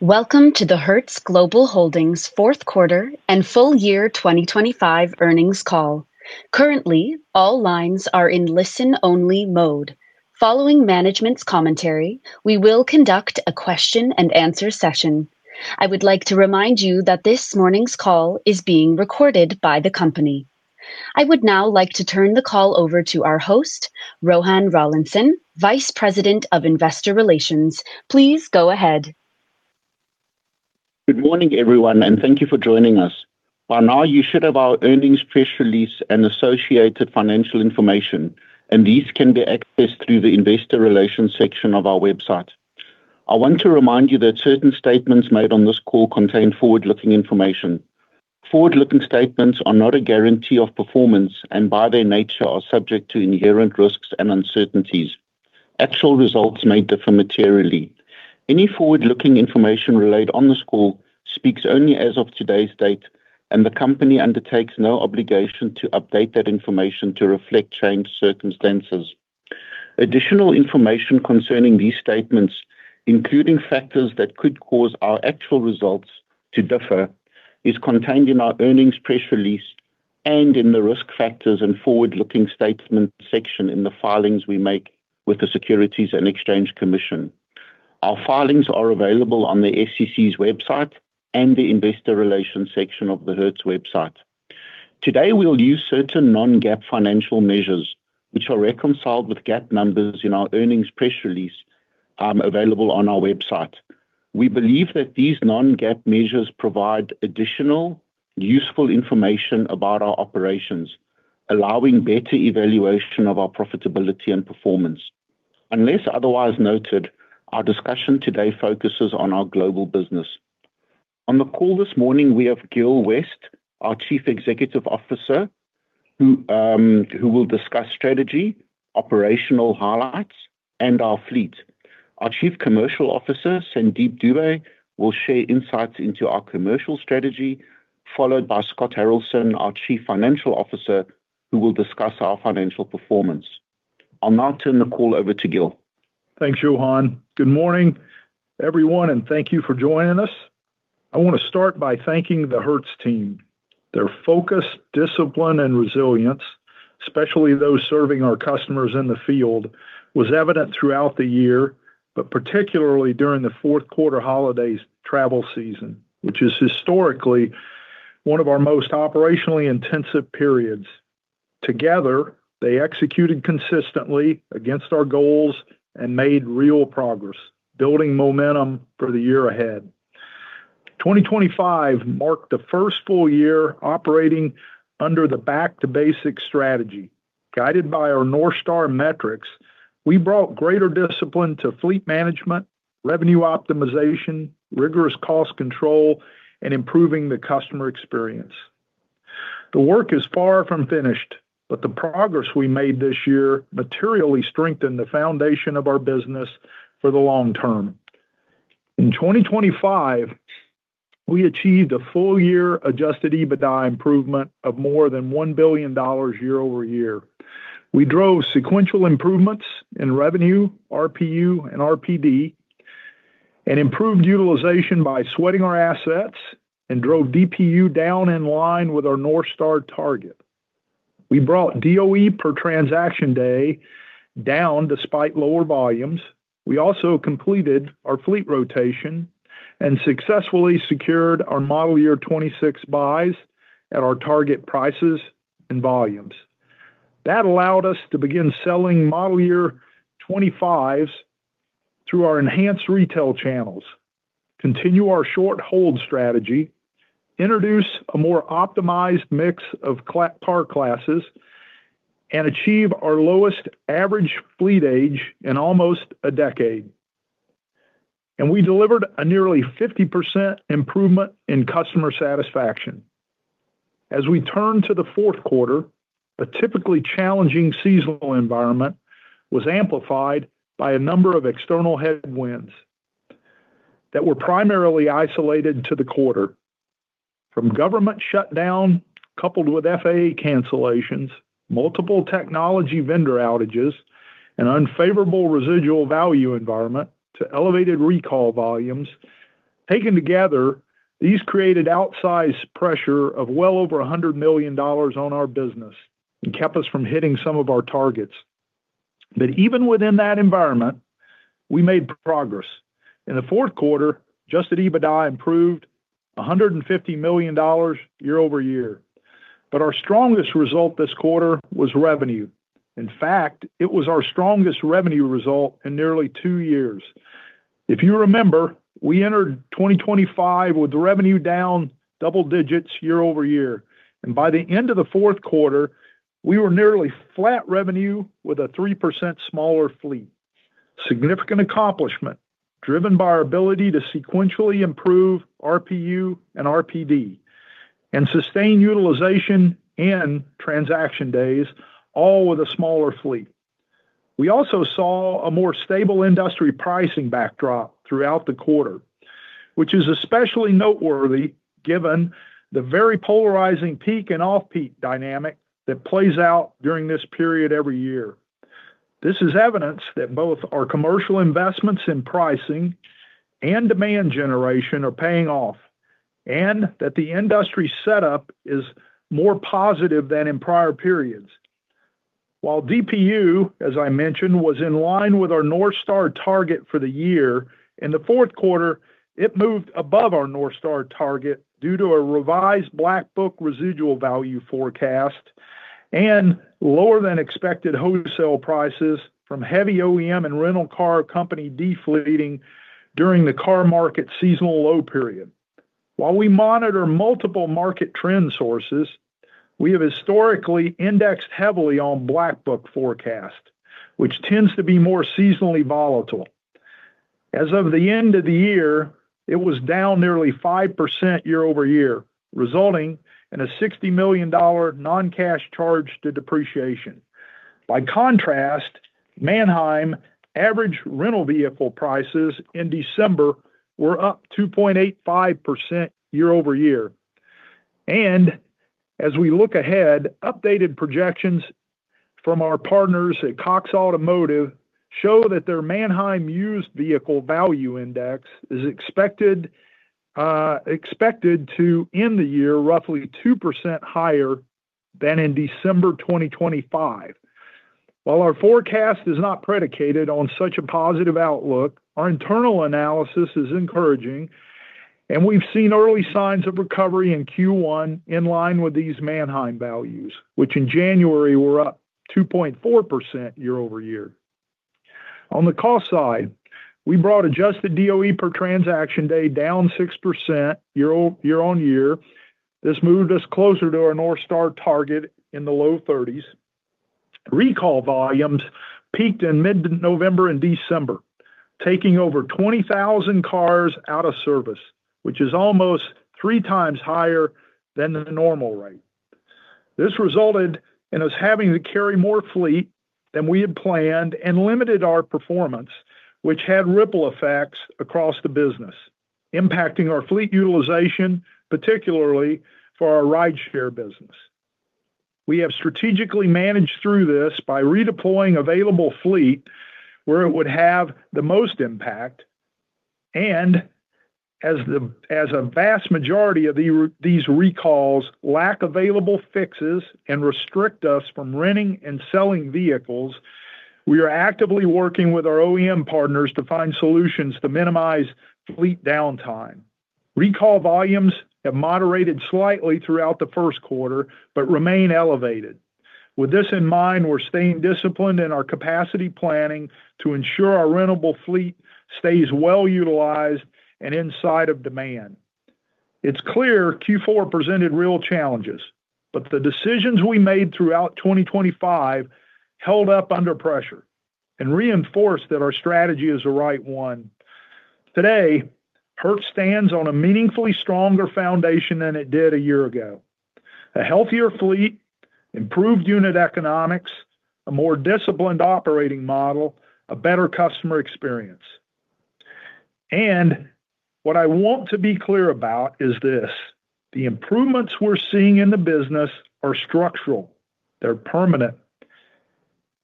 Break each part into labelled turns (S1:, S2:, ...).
S1: Welcome to the Hertz Global Holdings fourth quarter and full year 2025 earnings call. Currently, all lines are in listen-only mode. Following management's commentary, we will conduct a question and answer session. I would like to remind you that this morning's call is being recorded by the company. I would now like to turn the call over to our host, Johann Rawlinson, Vice President of Investor Relations. Please go ahead.
S2: Good morning, everyone, and thank you for joining us. By now, you should have our earnings press release and associated financial information, and these can be accessed through the investor relations section of our website. I want to remind you that certain statements made on this call contain forward-looking information. Forward-looking statements are not a guarantee of performance and, by their nature, are subject to inherent risks and uncertainties. Actual results may differ materially. Any forward-looking information relayed on this call speaks only as of today's date, and the company undertakes no obligation to update that information to reflect changed circumstances. Additional information concerning these statements, including factors that could cause our actual results to differ, is contained in our earnings press release and in the Risk Factors and Forward-Looking Statements section in the filings we make with the Securities and Exchange Commission. Our filings are available on the SEC's website and the investor relations section of the Hertz website. Today, we will use certain non-GAAP financial measures, which are reconciled with GAAP numbers in our earnings press release, available on our website. We believe that these non-GAAP measures provide additional useful information about our operations, allowing better evaluation of our profitability and performance. Unless otherwise noted, our discussion today focuses on our global business. On the call this morning, we have Gil West, our Chief Executive Officer, who will discuss strategy, operational highlights, and our fleet. Our Chief Commercial Officer, Sandeep Dube, will share insights into our commercial strategy, followed by Scott Haralson, our Chief Financial Officer, who will discuss our financial performance. I'll now turn the call over to Gil.
S3: Thanks, Johann. Good morning, everyone, thank you for joining us. I want to start by thanking the Hertz team. Their focus, discipline, and resilience, especially those serving our customers in the field, was evident throughout the year, but particularly during the fourth quarter holidays travel season, which is historically one of our most operationally intensive periods. Together, they executed consistently against our goals and made real progress, building momentum for the year ahead. 2025 marked the first full year operating under the Back-to-Basics strategy. Guided by our North Star metrics, we brought greater discipline to fleet management, revenue optimization, rigorous cost control, and improving the customer experience. The work is far from finished, but the progress we made this year materially strengthened the foundation of our business for the long term. In 2025, we achieved a full-year Adjusted EBITDA improvement of more than $1 billion year-over-year. We drove sequential improvements in revenue, RPU, and RPD, and improved utilization by sweating our assets and drove DPU down in line with our North Star target. We brought DOE per transaction day down despite lower volumes. We also completed our fleet rotation and successfully secured our model year 2026 buys at our target prices and volumes. That allowed us to begin selling model year 2025s through our enhanced retail channels, continue our short-hold strategy, introduce a more optimized mix of car classes, and achieve our lowest average fleet age in almost a decade, and we delivered a nearly 50% improvement in customer satisfaction. As we turn to the fourth quarter, the typically challenging seasonal environment was amplified by a number of external headwinds that were primarily isolated to the quarter. From government shutdown, coupled with FAA cancellations, multiple technology vendor outages, and unfavorable residual value environment to elevated recall volumes. Taken together, these created outsized pressure of well over $100 million on our business and kept us from hitting some of our targets. Even within that environment, we made progress. In the fourth quarter, Adjusted EBITDA improved $150 million year-over-year. Our strongest result this quarter was revenue. In fact, it was our strongest revenue result in nearly two years. If you remember, we entered 2025 with revenue down double digits year-over-year, and by the end of the fourth quarter, we were nearly flat revenue with a 3% smaller fleet. Significant accomplishment, driven by our ability to sequentially improve RPU and RPD and sustain utilization and transaction days, all with a smaller fleet. We also saw a more stable industry pricing backdrop throughout the quarter, which is especially noteworthy given the very polarizing peak and off-peak dynamic that plays out during this period every year. This is evidence that both our commercial investments in pricing and demand generation are paying off, and that the industry setup is more positive than in prior periods. While DPU, as I mentioned, was in line with our North Star target for the year, in the fourth quarter, it moved above our North Star target due to a revised Black Book residual value forecast and lower than expected wholesale prices from heavy OEM and rental car company deflating during the car market seasonal low period. While we monitor multiple market trend sources, we have historically indexed heavily on Black Book forecast, which tends to be more seasonally volatile. As of the end of the year, it was down nearly 5% year-over-year, resulting in a $60 million non-cash charge to depreciation. By contrast, Manheim average rental vehicle prices in December were up 2.85% year-over-year. As we look ahead, updated projections from our partners at Cox Automotive show that their Manheim Used Vehicle Value Index is expected to end the year roughly 2% higher than in December 2025. While our forecast is not predicated on such a positive outlook, our internal analysis is encouraging, and we've seen early signs of recovery in Q1 in line with these Manheim values, which in January were up 2.4% year-over-year. On the cost side, we brought adjusted DOE per transaction day down 6% year on year. This moved us closer to our North Star target in the low 30s. Recall volumes peaked in mid-November and December, taking over 20,000 cars out of service, which is almost three times higher than the normal rate. This resulted in us having to carry more fleet than we had planned and limited our performance, which had ripple effects across the business, impacting our fleet utilization, particularly for our rideshare business. We have strategically managed through this by redeploying available fleet where it would have the most impact, and as a vast majority of these recalls lack available fixes and restrict us from renting and selling vehicles, we are actively working with our OEM partners to find solutions to minimize fleet downtime. Recall volumes have moderated slightly throughout the first quarter, remain elevated. With this in mind, we're staying disciplined in our capacity planning to ensure our rentable fleet stays well utilized and inside of demand. It's clear Q4 presented real challenges, the decisions we made throughout 2025 held up under pressure and reinforced that our strategy is the right one. Today, Hertz stands on a meaningfully stronger foundation than it did a year ago. A healthier fleet, improved unit economics, a more disciplined operating model, a better customer experience. What I want to be clear about is this: the improvements we're seeing in the business are structural. They're permanent.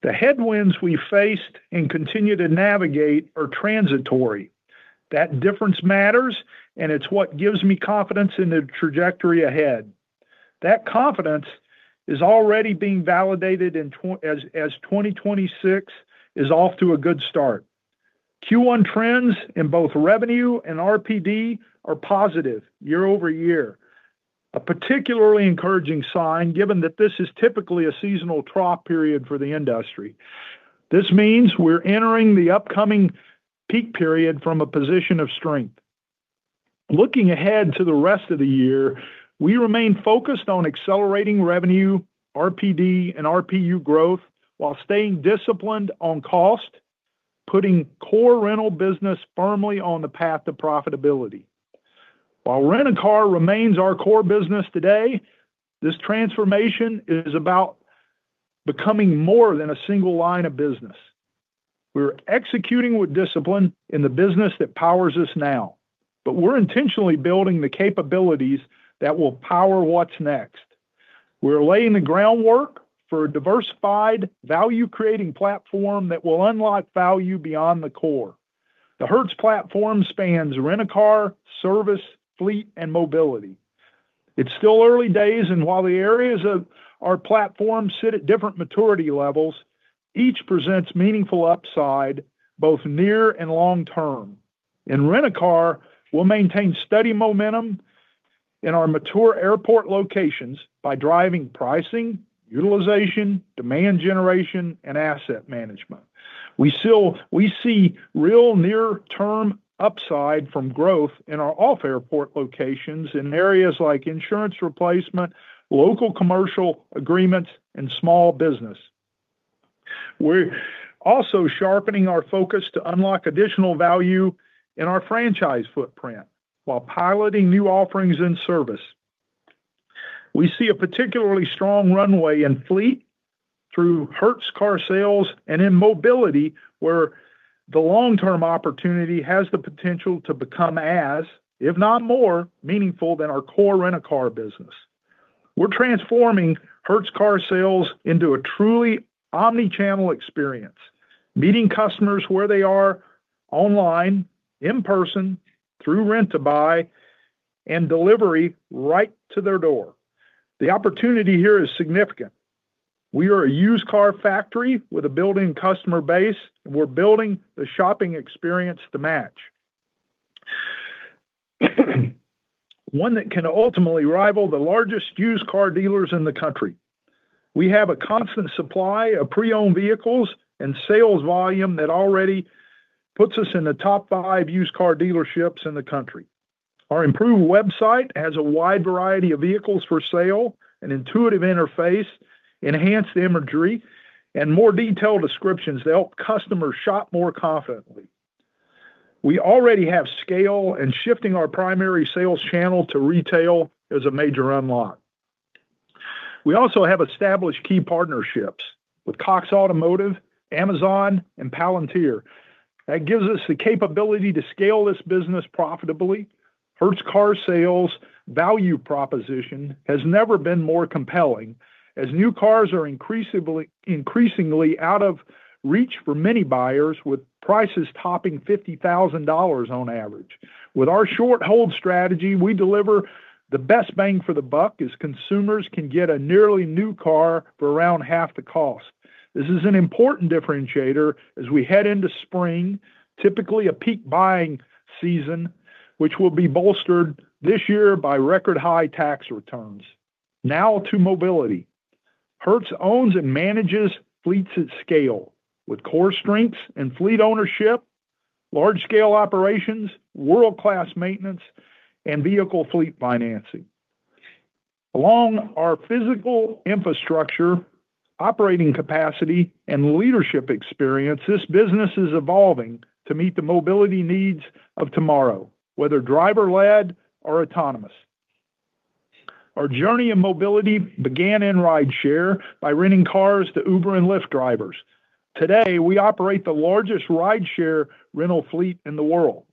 S3: The headwinds we faced and continue to navigate are transitory. That difference matters, it's what gives me confidence in the trajectory ahead. That confidence is already being validated as 2026 is off to a good start. Q1 trends in both revenue and RPD are positive year-over-year. A particularly encouraging sign, given that this is typically a seasonal trough period for the industry. This means we're entering the upcoming peak period from a position of strength. Looking ahead to the rest of the year, we remain focused on accelerating revenue, RPD, and RPU growth while staying disciplined on cost, putting core rental business firmly on the path to profitability. While rent-a-car remains our core business today, this transformation is about becoming more than a single line of business. We're executing with discipline in the business that powers us now, but we're intentionally building the capabilities that will power what's next. We're laying the groundwork for a diversified, value-creating platform that will unlock value beyond the core. The Hertz platform spans rent-a-car, service, fleet, and mobility. It's still early days, and while the areas of our platform sit at different maturity levels, each presents meaningful upside, both near and long term. In rent-a-car, we'll maintain steady momentum in our mature airport locations by driving pricing, utilization, demand generation, and asset management. We see real near-term upside from growth in our off-airport locations in areas like insurance replacement, local commercial agreements, and small business. We're also sharpening our focus to unlock additional value in our franchise footprint while piloting new offerings in service. We see a particularly strong runway in fleet through Hertz Car Sales and in mobility, where the long-term opportunity has the potential to become as, if not more, meaningful than our core rent-a-car business. We're transforming Hertz Car Sales into a truly omni-channel experience, meeting customers where they are online, in person, through Rent2Buy, and delivery right to their door. The opportunity here is significant. We are a used car factory with a built-in customer base, and we're building the shopping experience to match. One that can ultimately rival the largest used car dealers in the country. We have a constant supply of pre-owned vehicles and sales volume that already puts us in the top five used car dealerships in the country. Our improved website has a wide variety of vehicles for sale, an intuitive interface, enhanced imagery, and more detailed descriptions to help customers shop more confidently. We already have scale, and shifting our primary sales channel to retail is a major unlock. We also have established key partnerships with Cox Automotive, Amazon, and Palantir. That gives us the capability to scale this business profitably. Hertz Car Sales value proposition has never been more compelling, as new cars are increasingly out of reach for many buyers, with prices topping $50,000 on average. With our short-hold strategy, we deliver the best bang for the buck, as consumers can get a nearly new car for around half the cost. This is an important differentiator as we head into spring, typically a peak buying season, which will be bolstered this year by record-high tax returns. Now, to mobility. Hertz owns and manages fleets at scale, with core strengths in fleet ownership, large-scale operations, world-class maintenance, and vehicle fleet financing. Along our physical infrastructure, operating capacity, and leadership experience, this business is evolving to meet the mobility needs of tomorrow, whether driver-led or autonomous. Our journey in mobility began in rideshare by renting cars to Uber and Lyft drivers. Today, we operate the largest rideshare rental fleet in the world.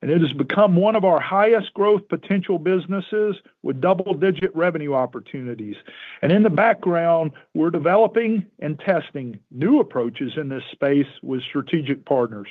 S3: It has become one of our highest growth potential businesses with double-digit revenue opportunities. In the background, we're developing and testing new approaches in this space with strategic partners.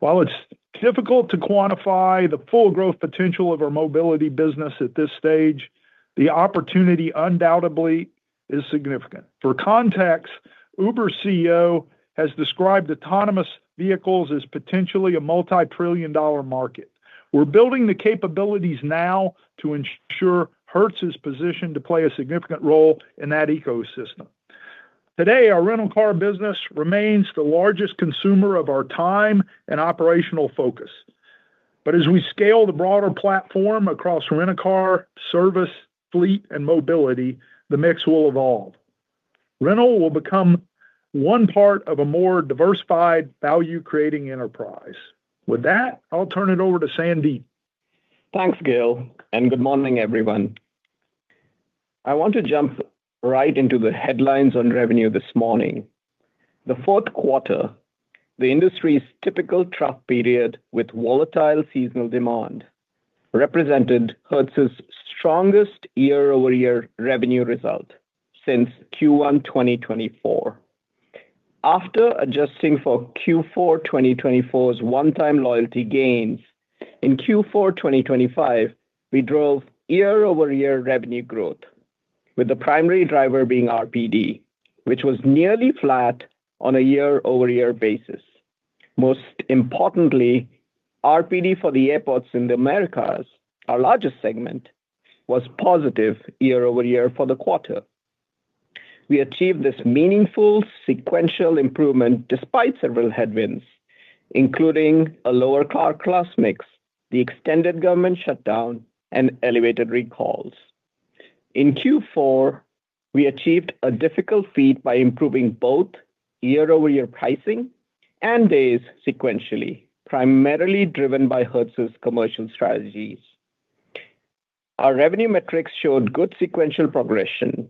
S3: While it's difficult to quantify the full growth potential of our mobility business at this stage, the opportunity undoubtedly is significant. For context, Uber's CEO has described autonomous vehicles as potentially a multi-trillion-dollar market. We're building the capabilities now to ensure Hertz is positioned to play a significant role in that ecosystem. Today, our rental car business remains the largest consumer of our time and operational focus. As we scale the broader platform across rent-a-car, service, fleet, and mobility, the mix will evolve. Rental will become one part of a more diversified, value-creating enterprise. With that, I'll turn it over to Sandeep.
S4: Thanks, Gil, and good morning, everyone. I want to jump right into the headlines on revenue this morning. The 4th quarter, the industry's typical trough period with volatile seasonal demand, represented Hertz's strongest year-over-year revenue result since Q1 2024. After adjusting for Q4 2024's one-time loyalty gains, in Q4 2025, we drove year-over-year revenue growth, with the primary driver being RPD, which was nearly flat on a year-over-year basis. Most importantly, RPD for the airports in the Americas, our largest segment, was positive year-over-year for the quarter. We achieved this meaningful sequential improvement despite several headwinds, including a lower car class mix, the extended government shutdown, and elevated recalls. In Q4, we achieved a difficult feat by improving both year-over-year pricing and days sequentially, primarily driven by Hertz's commercial strategies. Our revenue metrics showed good sequential progression.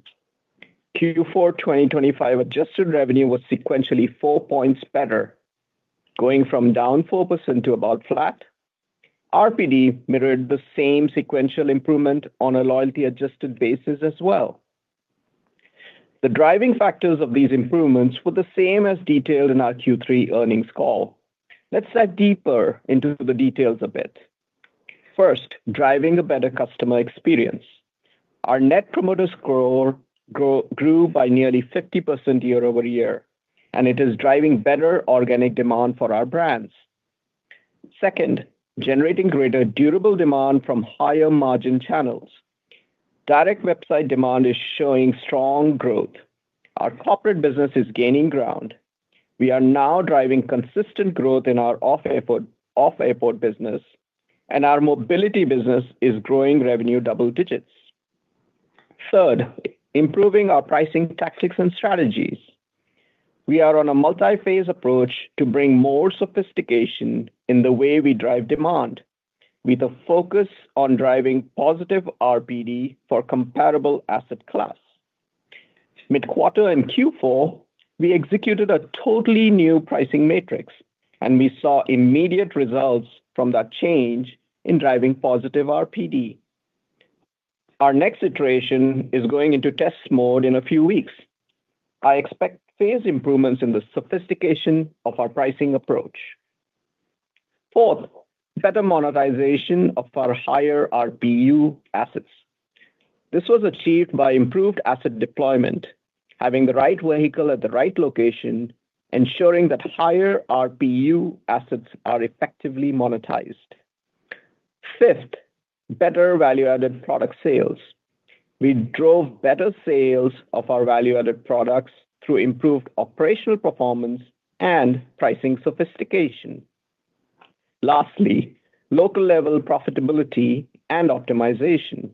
S4: Q4 2025 adjusted revenue was sequentially 4 points better, going from down 4% to about flat. RPD mirrored the same sequential improvement on a loyalty-adjusted basis as well. The driving factors of these improvements were the same as detailed in our Q3 earnings call. Let's dive deeper into the details a bit. First, driving a better customer experience. Our Net Promoter Score grew by nearly 50% year-over-year, and it is driving better organic demand for our brands. Second, generating greater durable demand from higher-margin channels. Direct website demand is showing strong growth. Our corporate business is gaining ground. We are now driving consistent growth in our off-airport business, and our mobility business is growing revenue double digits. Third, improving our pricing tactics and strategies. We are on a multi-phase approach to bring more sophistication in the way we drive demand, with a focus on driving positive RPD for comparable asset class. Mid-quarter in Q4, we executed a totally new pricing matrix, and we saw immediate results from that change in driving positive RPD. Our next iteration is going into test mode in a few weeks. I expect phase improvements in the sophistication of our pricing approach. Fourth, better monetization of our higher RPU assets. This was achieved by improved asset deployment, having the right vehicle at the right location, ensuring that higher RPU assets are effectively monetized. Fifth, better value-added product sales. We drove better sales of our value-added products through improved operational performance and pricing sophistication. Lastly, local level profitability and optimization.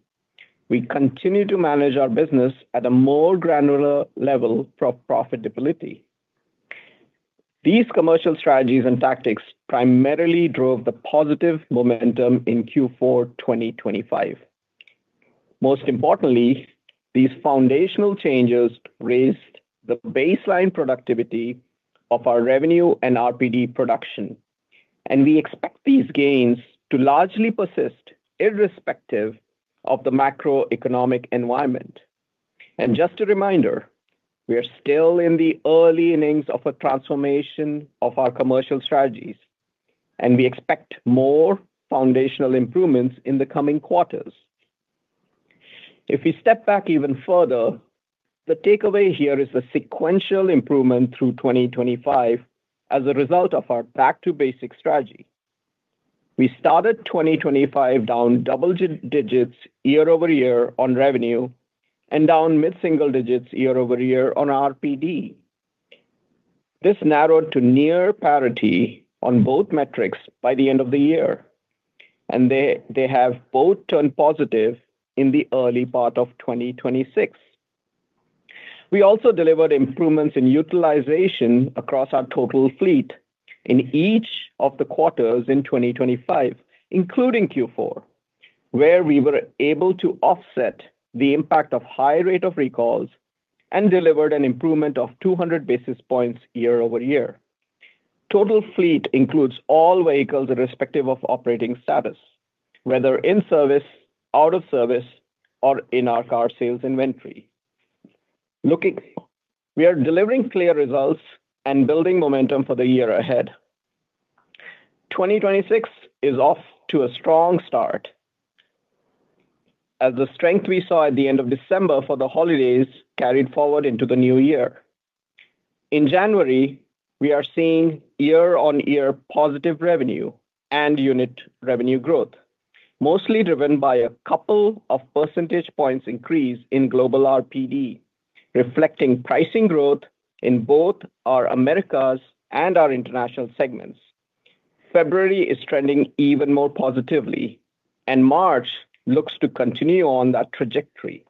S4: We continue to manage our business at a more granular level pro-profitability. These commercial strategies and tactics primarily drove the positive momentum in Q4 2025. Most importantly, these foundational changes raised the baseline productivity of our revenue and RPD production, and we expect these gains to largely persist irrespective of the macroeconomic environment. Just a reminder, we are still in the early innings of a transformation of our commercial strategies, and we expect more foundational improvements in the coming quarters. If we step back even further, the takeaway here is a sequential improvement through 2025 as a result of our Back-to-Basics strategy. We started 2025, down double digits year-over-year on revenue and down mid-single digits year-over-year on RPD. This narrowed to near parity on both metrics by the end of the year, and they have both turned positive in the early part of 2026. We also delivered improvements in utilization across our total fleet in each of the quarters in 2025, including Q4, where we were able to offset the impact of high rate of recalls and delivered an improvement of 200 basis points year-over-year. Total fleet includes all vehicles, irrespective of operating status, whether in service, out of service, or in our Car Sales inventory. We are delivering clear results and building momentum for the year ahead. 2026 is off to a strong start, as the strength we saw at the end of December for the holidays carried forward into the new year. In January, we are seeing year-on-year positive revenue and unit revenue growth, mostly driven by a couple of percentage points increase in global RPD, reflecting pricing growth in both our Americas and our international segments. February is trending even more positively. March looks to continue on that trajectory.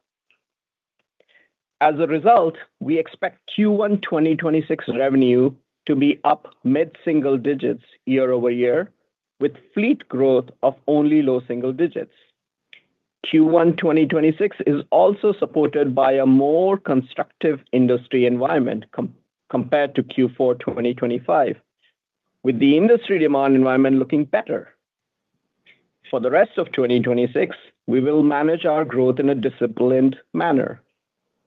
S4: As a result, we expect Q1 2026 revenue to be up mid-single digits year-over-year, with fleet growth of only low single digits. Q1 2026 is also supported by a more constructive industry environment compared to Q4 2025, with the industry demand environment looking better. For the rest of 2026, we will manage our growth in a disciplined manner.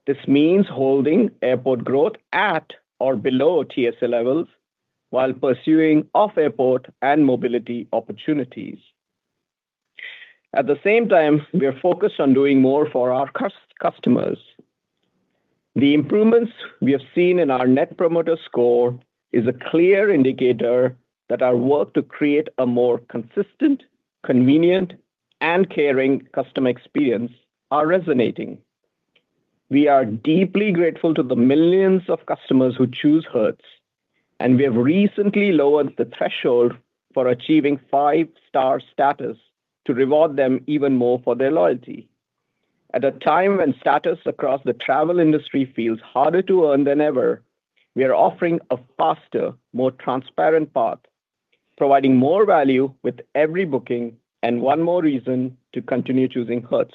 S4: This means holding airport growth at or below TSA levels while pursuing off-airport and mobility opportunities. At the same time, we are focused on doing more for our customers. The improvements we have seen in our Net Promoter Score is a clear indicator that our work to create a more consistent, convenient, and caring customer experience are resonating. We are deeply grateful to the millions of customers who choose Hertz. We have recently lowered the threshold for achieving five-star status to reward them even more for their loyalty. At a time when status across the travel industry feels harder to earn than ever, we are offering a faster, more transparent path, providing more value with every booking and one more reason to continue choosing Hertz.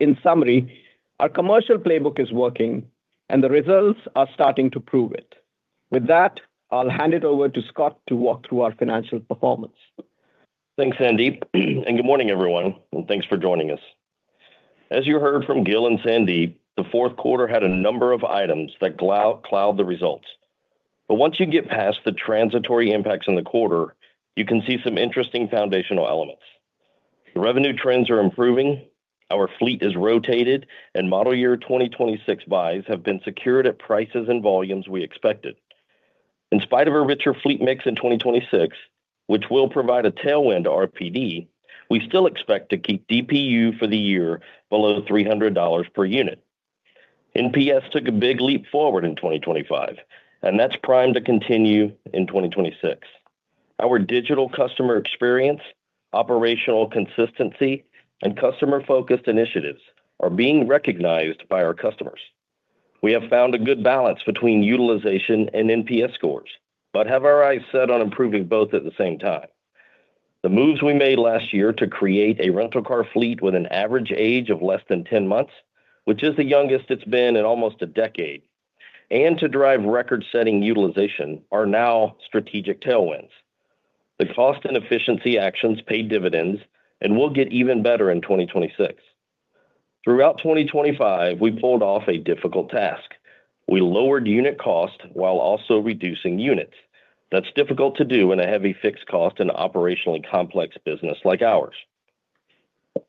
S4: In summary, our commercial playbook is working, and the results are starting to prove it. With that, I'll hand it over to Scott to walk through our financial performance.
S5: Thanks, Sandeep, and good morning, everyone, and thanks for joining us. As you heard from Gil and Sandeep, the fourth quarter had a number of items that cloud the results. Once you get past the transitory impacts in the quarter, you can see some interesting foundational elements. The revenue trends are improving, our fleet is rotated, and model year 2026 buys have been secured at prices and volumes we expected. In spite of a richer fleet mix in 2026, which will provide a tailwind to RPD, we still expect to keep DPU for the year below $300 per unit. NPS took a big leap forward in 2025, and that's primed to continue in 2026. Our digital customer experience, operational consistency, and customer-focused initiatives are being recognized by our customers. We have found a good balance between utilization and NPS scores. We have our eyes set on improving both at the same time. The moves we made last year to create a rental car fleet with an average age of less than 10 months, which is the youngest it's been in almost a decade, and to drive record-setting utilization, are now strategic tailwinds. The cost and efficiency actions pay dividends and will get even better in 2026. Throughout 2025, we pulled off a difficult task. We lowered unit cost while also reducing units. That's difficult to do in a heavy fixed cost and operationally complex business like ours.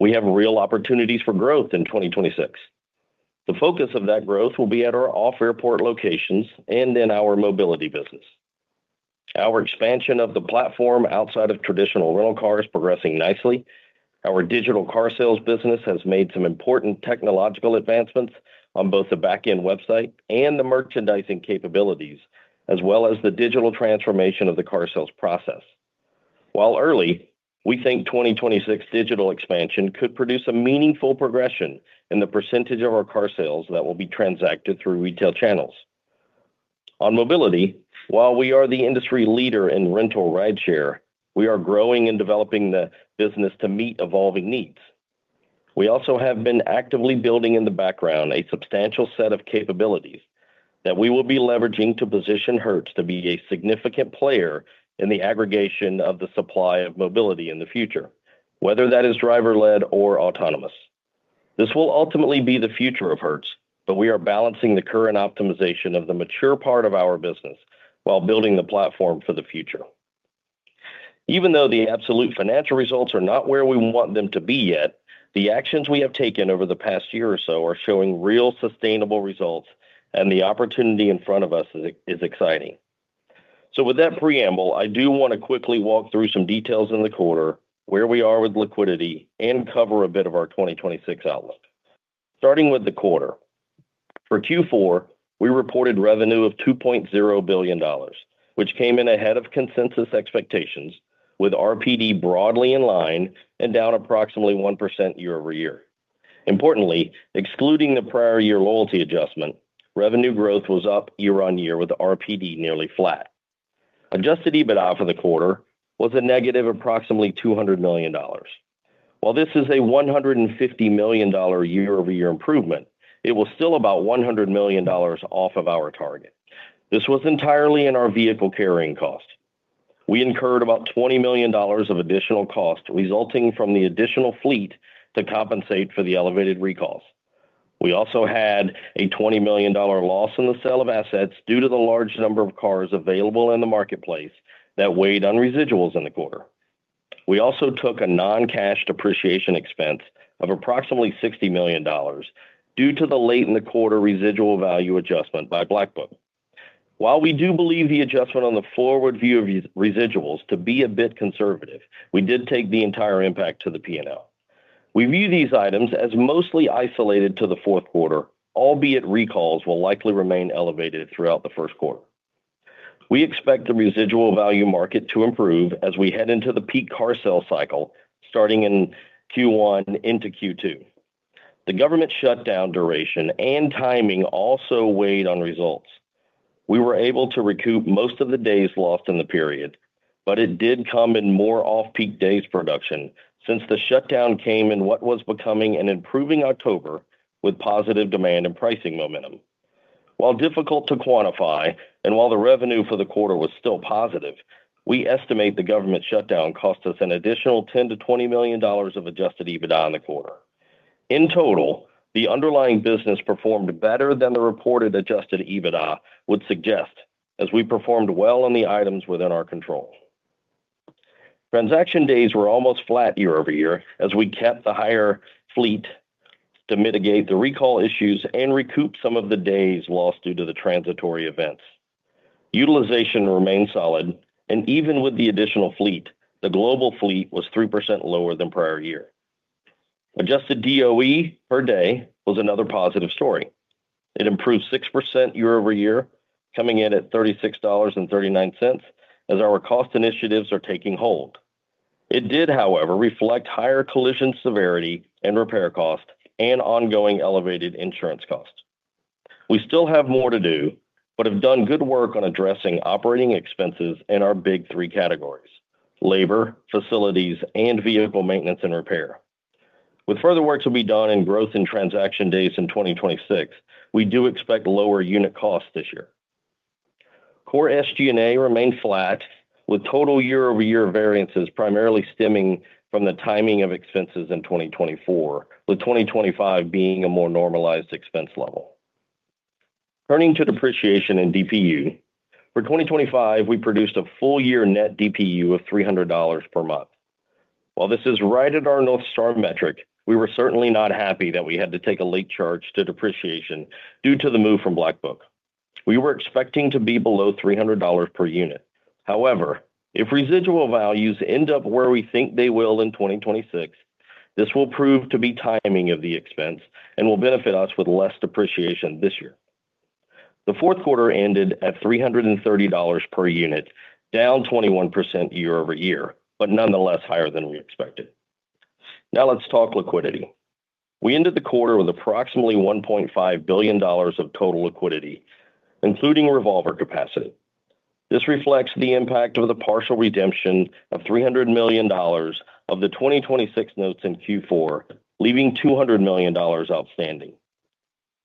S5: We have real opportunities for growth in 2026. The focus of that growth will be at our off-airport locations and in our mobility business. Our expansion of the platform outside of traditional rental car is progressing nicely. Our digital car sales business has made some important technological advancements on both the back-end website and the merchandising capabilities, as well as the digital transformation of the car sales process. While early, we think 2026 digital expansion could produce a meaningful progression in the percentage of our car sales that will be transacted through retail channels. On mobility, while we are the industry leader in rental rideshare, we are growing and developing the business to meet evolving needs. We also have been actively building in the background a substantial set of capabilities that we will be leveraging to position Hertz to be a significant player in the aggregation of the supply of mobility in the future, whether that is driver-led or autonomous. This will ultimately be the future of Hertz. We are balancing the current optimization of the mature part of our business while building the platform for the future. Even though the absolute financial results are not where we want them to be yet, the actions we have taken over the past year or so are showing real sustainable results, the opportunity in front of us is exciting. With that preamble, I do want to quickly walk through some details in the quarter, where we are with liquidity, and cover a bit of our 2026 outlook. Starting with the quarter. For Q4, Hertz reported revenue of $2.0 billion, which came in ahead of consensus expectations, with RPD broadly in line and down approximately 1% year-over-year. Importantly, excluding the prior year loyalty adjustment, revenue growth was up year-over-year with RPD nearly flat. Adjusted EBITDA for the quarter was a negative approximately $200 million. This is a $150 million year-over-year improvement, it was still about $100 million off of our target. This was entirely in our vehicle carrying cost. We incurred about $20 million of additional cost resulting from the additional fleet to compensate for the elevated recalls. We also had a $20 million loss in the sale of assets due to the large number of cars available in the marketplace that weighed on residuals in the quarter. We also took a non-cash depreciation expense of approximately $60 million due to the late in the quarter residual value adjustment by Black Book. While we do believe the adjustment on the forward view of residuals to be a bit conservative, we did take the entire impact to the P&L. We view these items as mostly isolated to the fourth quarter, albeit recalls will likely remain elevated throughout the first quarter. We expect the residual value market to improve as we head into the peak car sale cycle, starting in Q1 into Q2. The government shutdown duration and timing also weighed on results. We were able to recoup most of the days lost in the period. It did come in more off-peak days production since the shutdown came in what was becoming an improving October with positive demand and pricing momentum. While difficult to quantify and while the revenue for the quarter was still positive, we estimate the government shutdown cost us an additional $10 million-$20 million of Adjusted EBITDA in the quarter. In total, the underlying business performed better than the reported Adjusted EBITDA would suggest, as we performed well on the items within our control. Transaction days were almost flat year-over-year, as we kept the higher fleet to mitigate the recall issues and recoup some of the days lost due to the transitory events. Utilization remained solid, and even with the additional fleet, the global fleet was 3% lower than prior year. Adjusted DOE per day was another positive story. It improved 6% year-over-year, coming in at $36.39, as our cost initiatives are taking hold. It did, however, reflect higher collision severity and repair costs and ongoing elevated insurance costs. We still have more to do, but have done good work on addressing operating expenses in our big three categories: labor, facilities, and vehicle maintenance and repair. With further works will be done in growth in transaction days in 2026, we do expect lower unit costs this year. Core SG&A remained flat, with total year-over-year variances primarily stemming from the timing of expenses in 2024, with 2025 being a more normalized expense level. Turning to depreciation in DPU, for 2025, we produced a full-year net DPU of $300 per month. While this is right at our North Star metric, we were certainly not happy that we had to take a late charge to depreciation due to the move from Black Book. We were expecting to be below $300 per unit. However, if residual values end up where we think they will in 2026, this will prove to be timing of the expense and will benefit us with less depreciation this year. The fourth quarter ended at $330 per unit, down 21% year-over-year, but nonetheless higher than we expected. Let's talk liquidity. We ended the quarter with approximately $1.5 billion of total liquidity, including revolver capacity. This reflects the impact of the partial redemption of $300 million of the 2026 notes in Q4, leaving $200 million outstanding.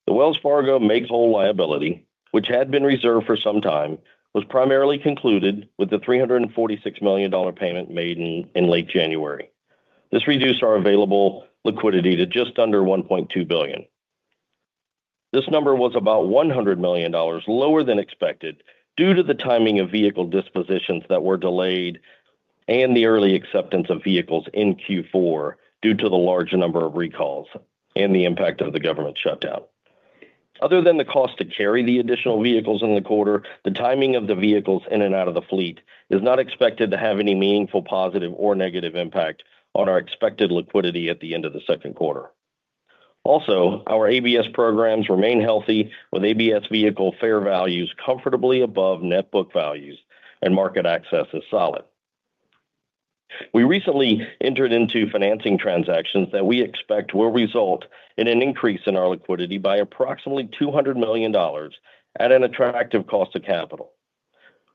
S5: The Wells Fargo make-whole liability, which had been reserved for some time, was primarily concluded with the $346 million payment made in late January. This reduced our available liquidity to just under $1.2 billion. This number was about $100 million lower than expected due to the timing of vehicle dispositions that were delayed and the early acceptance of vehicles in Q4 due to the large number of recalls and the impact of the government shutdown. Other than the cost to carry the additional vehicles in the quarter, the timing of the vehicles in and out of the fleet is not expected to have any meaningful, positive or negative impact on our expected liquidity at the end of the second quarter. Also, our ABS programs remain healthy, with ABS vehicle fair values comfortably above net book values and market access is solid. We recently entered into financing transactions that we expect will result in an increase in our liquidity by approximately $200 million at an attractive cost of capital.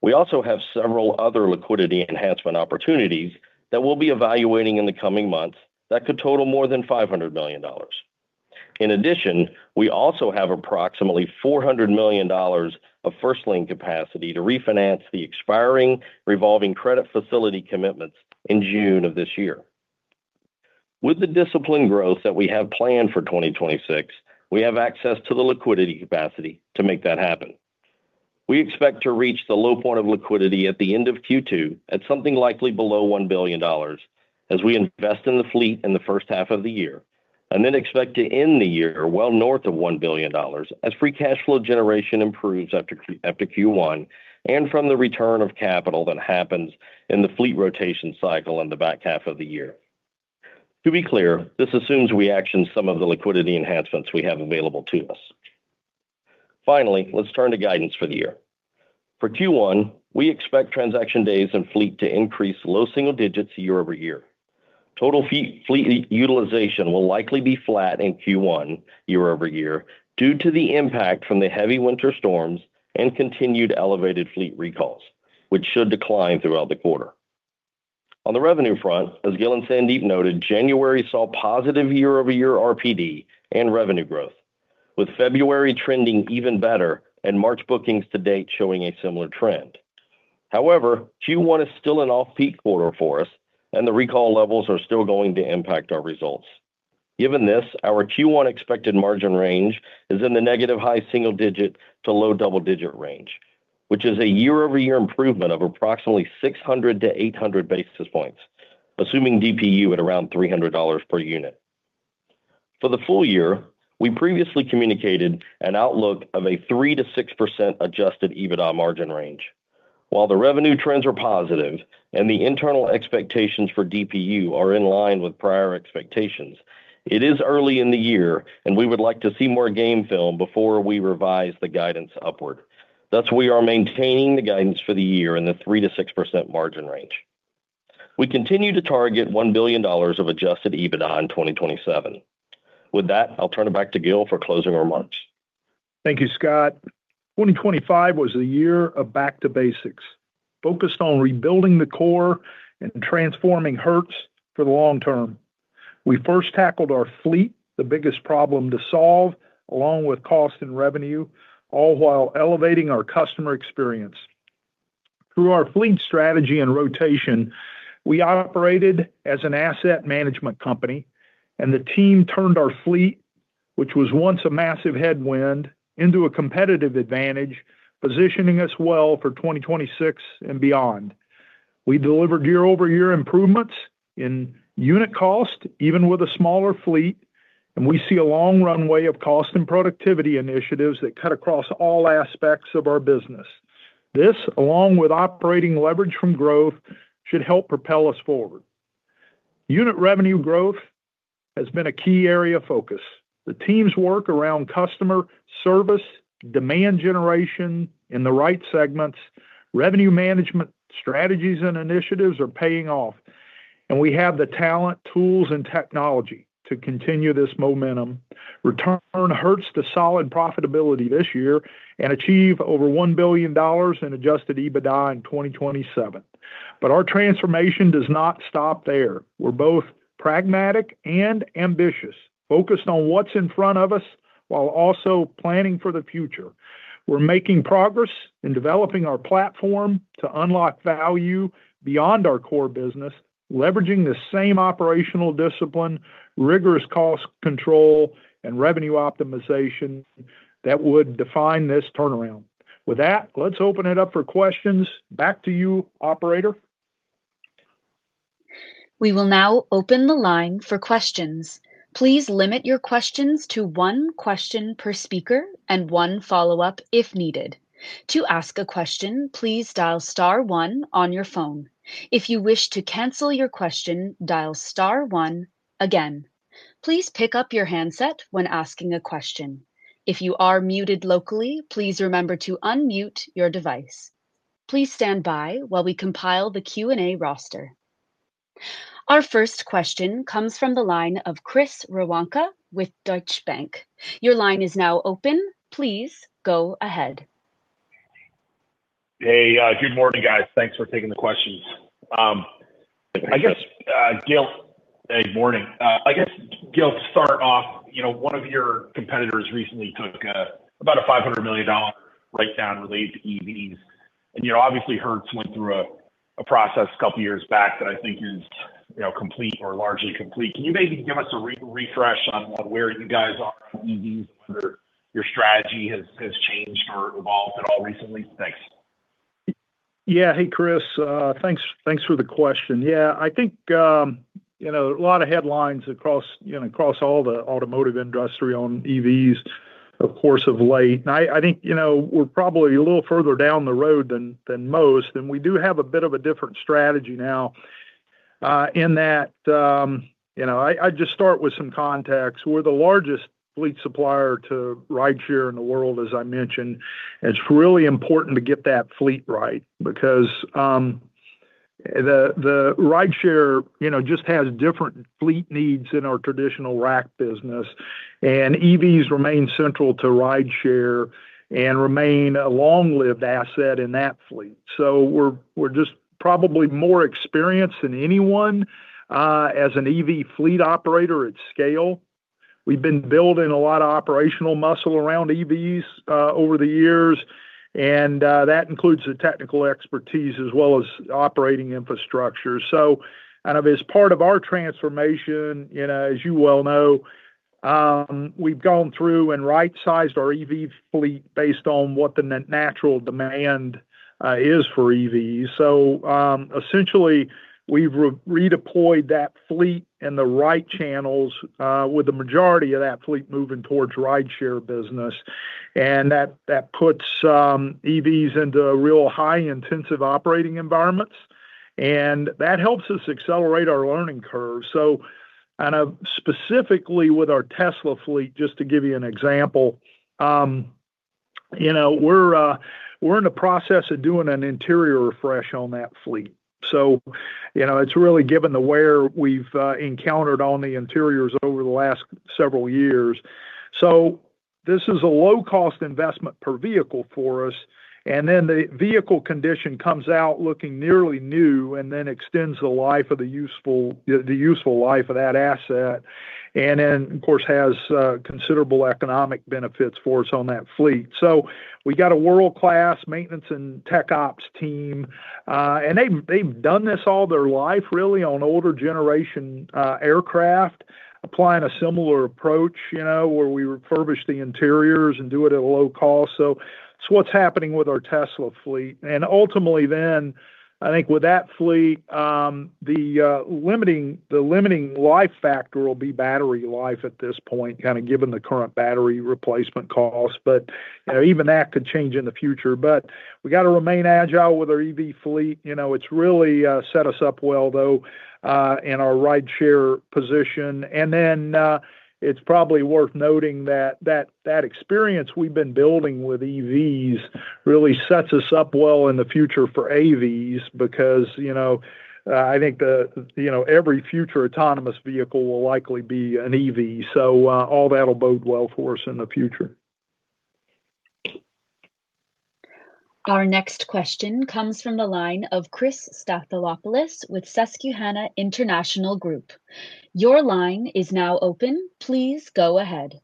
S5: We also have several other liquidity enhancement opportunities that we'll be evaluating in the coming months that could total more than $500 million. In addition, we also have approximately $400 million of first lien capacity to refinance the expiring revolving credit facility commitments in June of this year. With the disciplined growth that we have planned for 2026, we have access to the liquidity capacity to make that happen. We expect to reach the low point of liquidity at the end of Q2 at something likely below $1 billion as we invest in the fleet in the first half of the year, and then expect to end the year well north of $1 billion as free cash flow generation improves after Q1 and from the return of capital that happens in the fleet rotation cycle in the back half of the year. To be clear, this assumes we action some of the liquidity enhancements we have available to us. Finally, let's turn to guidance for the year. For Q1, we expect transaction days and fleet to increase low single digits year-over-year. Total fleet utilization will likely be flat in Q1 year-over-year, due to the impact from the heavy winter storms and continued elevated fleet recalls, which should decline throughout the quarter. On the revenue front, as Gil and Sandeep noted, January saw positive year-over-year RPD and revenue growth, with February trending even better and March bookings to date showing a similar trend. Q1 is still an off-peak quarter for us, and the recall levels are still going to impact our results. Given this, our Q1 expected margin range is in the negative high single-digit to low double-digit range, which is a year-over-year improvement of approximately 600-800 basis points, assuming DPU at around $300 per unit. For the full year, we previously communicated an outlook of a 3%-6% Adjusted EBITDA margin range. While the revenue trends are positive and the internal expectations for DPU are in line with prior expectations, it is early in the year, and we would like to see more game film before we revise the guidance upward. Thus, we are maintaining the guidance for the year in the 3%-6% margin range. We continue to target $1 billion of Adjusted EBITDA in 2027. With that, I'll turn it back to Gil for closing remarks.
S3: Thank you, Scott. 2025 was a year of Back-to-Basics, focused on rebuilding the core and transforming Hertz for the long term. We first tackled our fleet, the biggest problem to solve, along with cost and revenue, all while elevating our customer experience. Through our fleet strategy and rotation, we operated as an asset management company, the team turned our fleet, which was once a massive headwind, into a competitive advantage, positioning us well for 2026 and beyond. We delivered year-over-year improvements in unit cost, even with a smaller fleet, and we see a long runway of cost and productivity initiatives that cut across all aspects of our business. This, along with operating leverage from growth, should help propel us forward. Unit revenue growth has been a key area of focus. The team's work around customer service, demand generation in the right segments, revenue management strategies and initiatives are paying off, and we have the talent, tools, and technology to continue this momentum, return Hertz to solid profitability this year, and achieve over $1 billion in Adjusted EBITDA in 2027. Our transformation does not stop there. We're both pragmatic and ambitious, focused on what's in front of us while also planning for the future. We're making progress in developing our platform to unlock value beyond our core business, leveraging the same operational discipline, rigorous cost control, and revenue optimization that would define this turnaround. With that, let's open it up for questions. Back to you, operator.
S1: We will now open the line for questions. Please limit your questions to one question per speaker and one follow-up if needed. To ask a question, please dial star one on your phone. If you wish to cancel your question, dial star one again. Please pick up your handset when asking a question. If you are muted locally, please remember to unmute your device. Please stand by while we compile the Q&A roster. Our first question comes from the line of Chris Woronka with Deutsche Bank. Your line is now open. Please go ahead.
S6: Hey, good morning, guys. Thanks for taking the questions. I guess, Gil. Hey, morning. I guess, Gil, to start off, you know, one of your competitors recently took about a $500 million write-down related to EVs. You know, obviously, Hertz went through a process a couple of years back that I think is, you know, complete or largely complete. Can you maybe give us a re-refresh on where you guys are on EVs, and whether your strategy has changed or evolved at all recently? Thanks.
S3: Yeah. Hey, Chris, thanks for the question. Yeah, I think, you know, a lot of headlines across, you know, across all the automotive industry on EVs, of course, of late. I think, you know, we're probably a little further down the road than most, and we do have a bit of a different strategy now, in that, you know, I'd just start with some context. We're the largest fleet supplier to rideshare in the world, as I mentioned. It's really important to get that fleet right because the rideshare, you know, just has different fleet needs than our traditional rack business, and EVs remain central to rideshare and remain a long-lived asset in that fleet. We're just probably more experienced than anyone as an EV fleet operator at scale. We've been building a lot of operational muscle around EVs over the years, and that includes the technical expertise as well as operating infrastructure. Kind of as part of our transformation, you know, as you well know, we've gone through and right-sized our EV fleet based on what the natural demand is for EVs. Essentially, we redeployed that fleet in the right channels, with the majority of that fleet moving towards rideshare business. That puts EVs into real high intensive operating environments, that helps us accelerate our learning curve. Kind of specifically with our Tesla fleet, just to give you an example, you know, we're we're in the process of doing an interior refresh on that fleet. You know, it's really given the wear we've encountered on the interiors over the last several years. This is a low-cost investment per vehicle for us, and then the vehicle condition comes out looking nearly new and then extends the life of the useful life of that asset, and then, of course, has considerable economic benefits for us on that fleet. We got a world-class maintenance and tech ops team, and they've done this all their life, really, on older generation aircraft, applying a similar approach, you know, where we refurbish the interiors and do it at a low cost. It's what's happening with our Tesla fleet. Ultimately then, I think with that fleet, the limiting life factor will be battery life at this point, kinda given the current battery replacement costs, but, you know, even that could change in the future. We got to remain agile with our EV fleet. You know, it's really set us up well, though, in our rideshare position. Then, it's probably worth noting that experience we've been building with EVs really sets us up well in the future for AVs because, you know, I think, you know, every future autonomous vehicle will likely be an EV, all that'll bode well for us in the future.
S1: Our next question comes from the line of Chris Stathoulopoulos with Susquehanna International Group. Your line is now open. Please go ahead.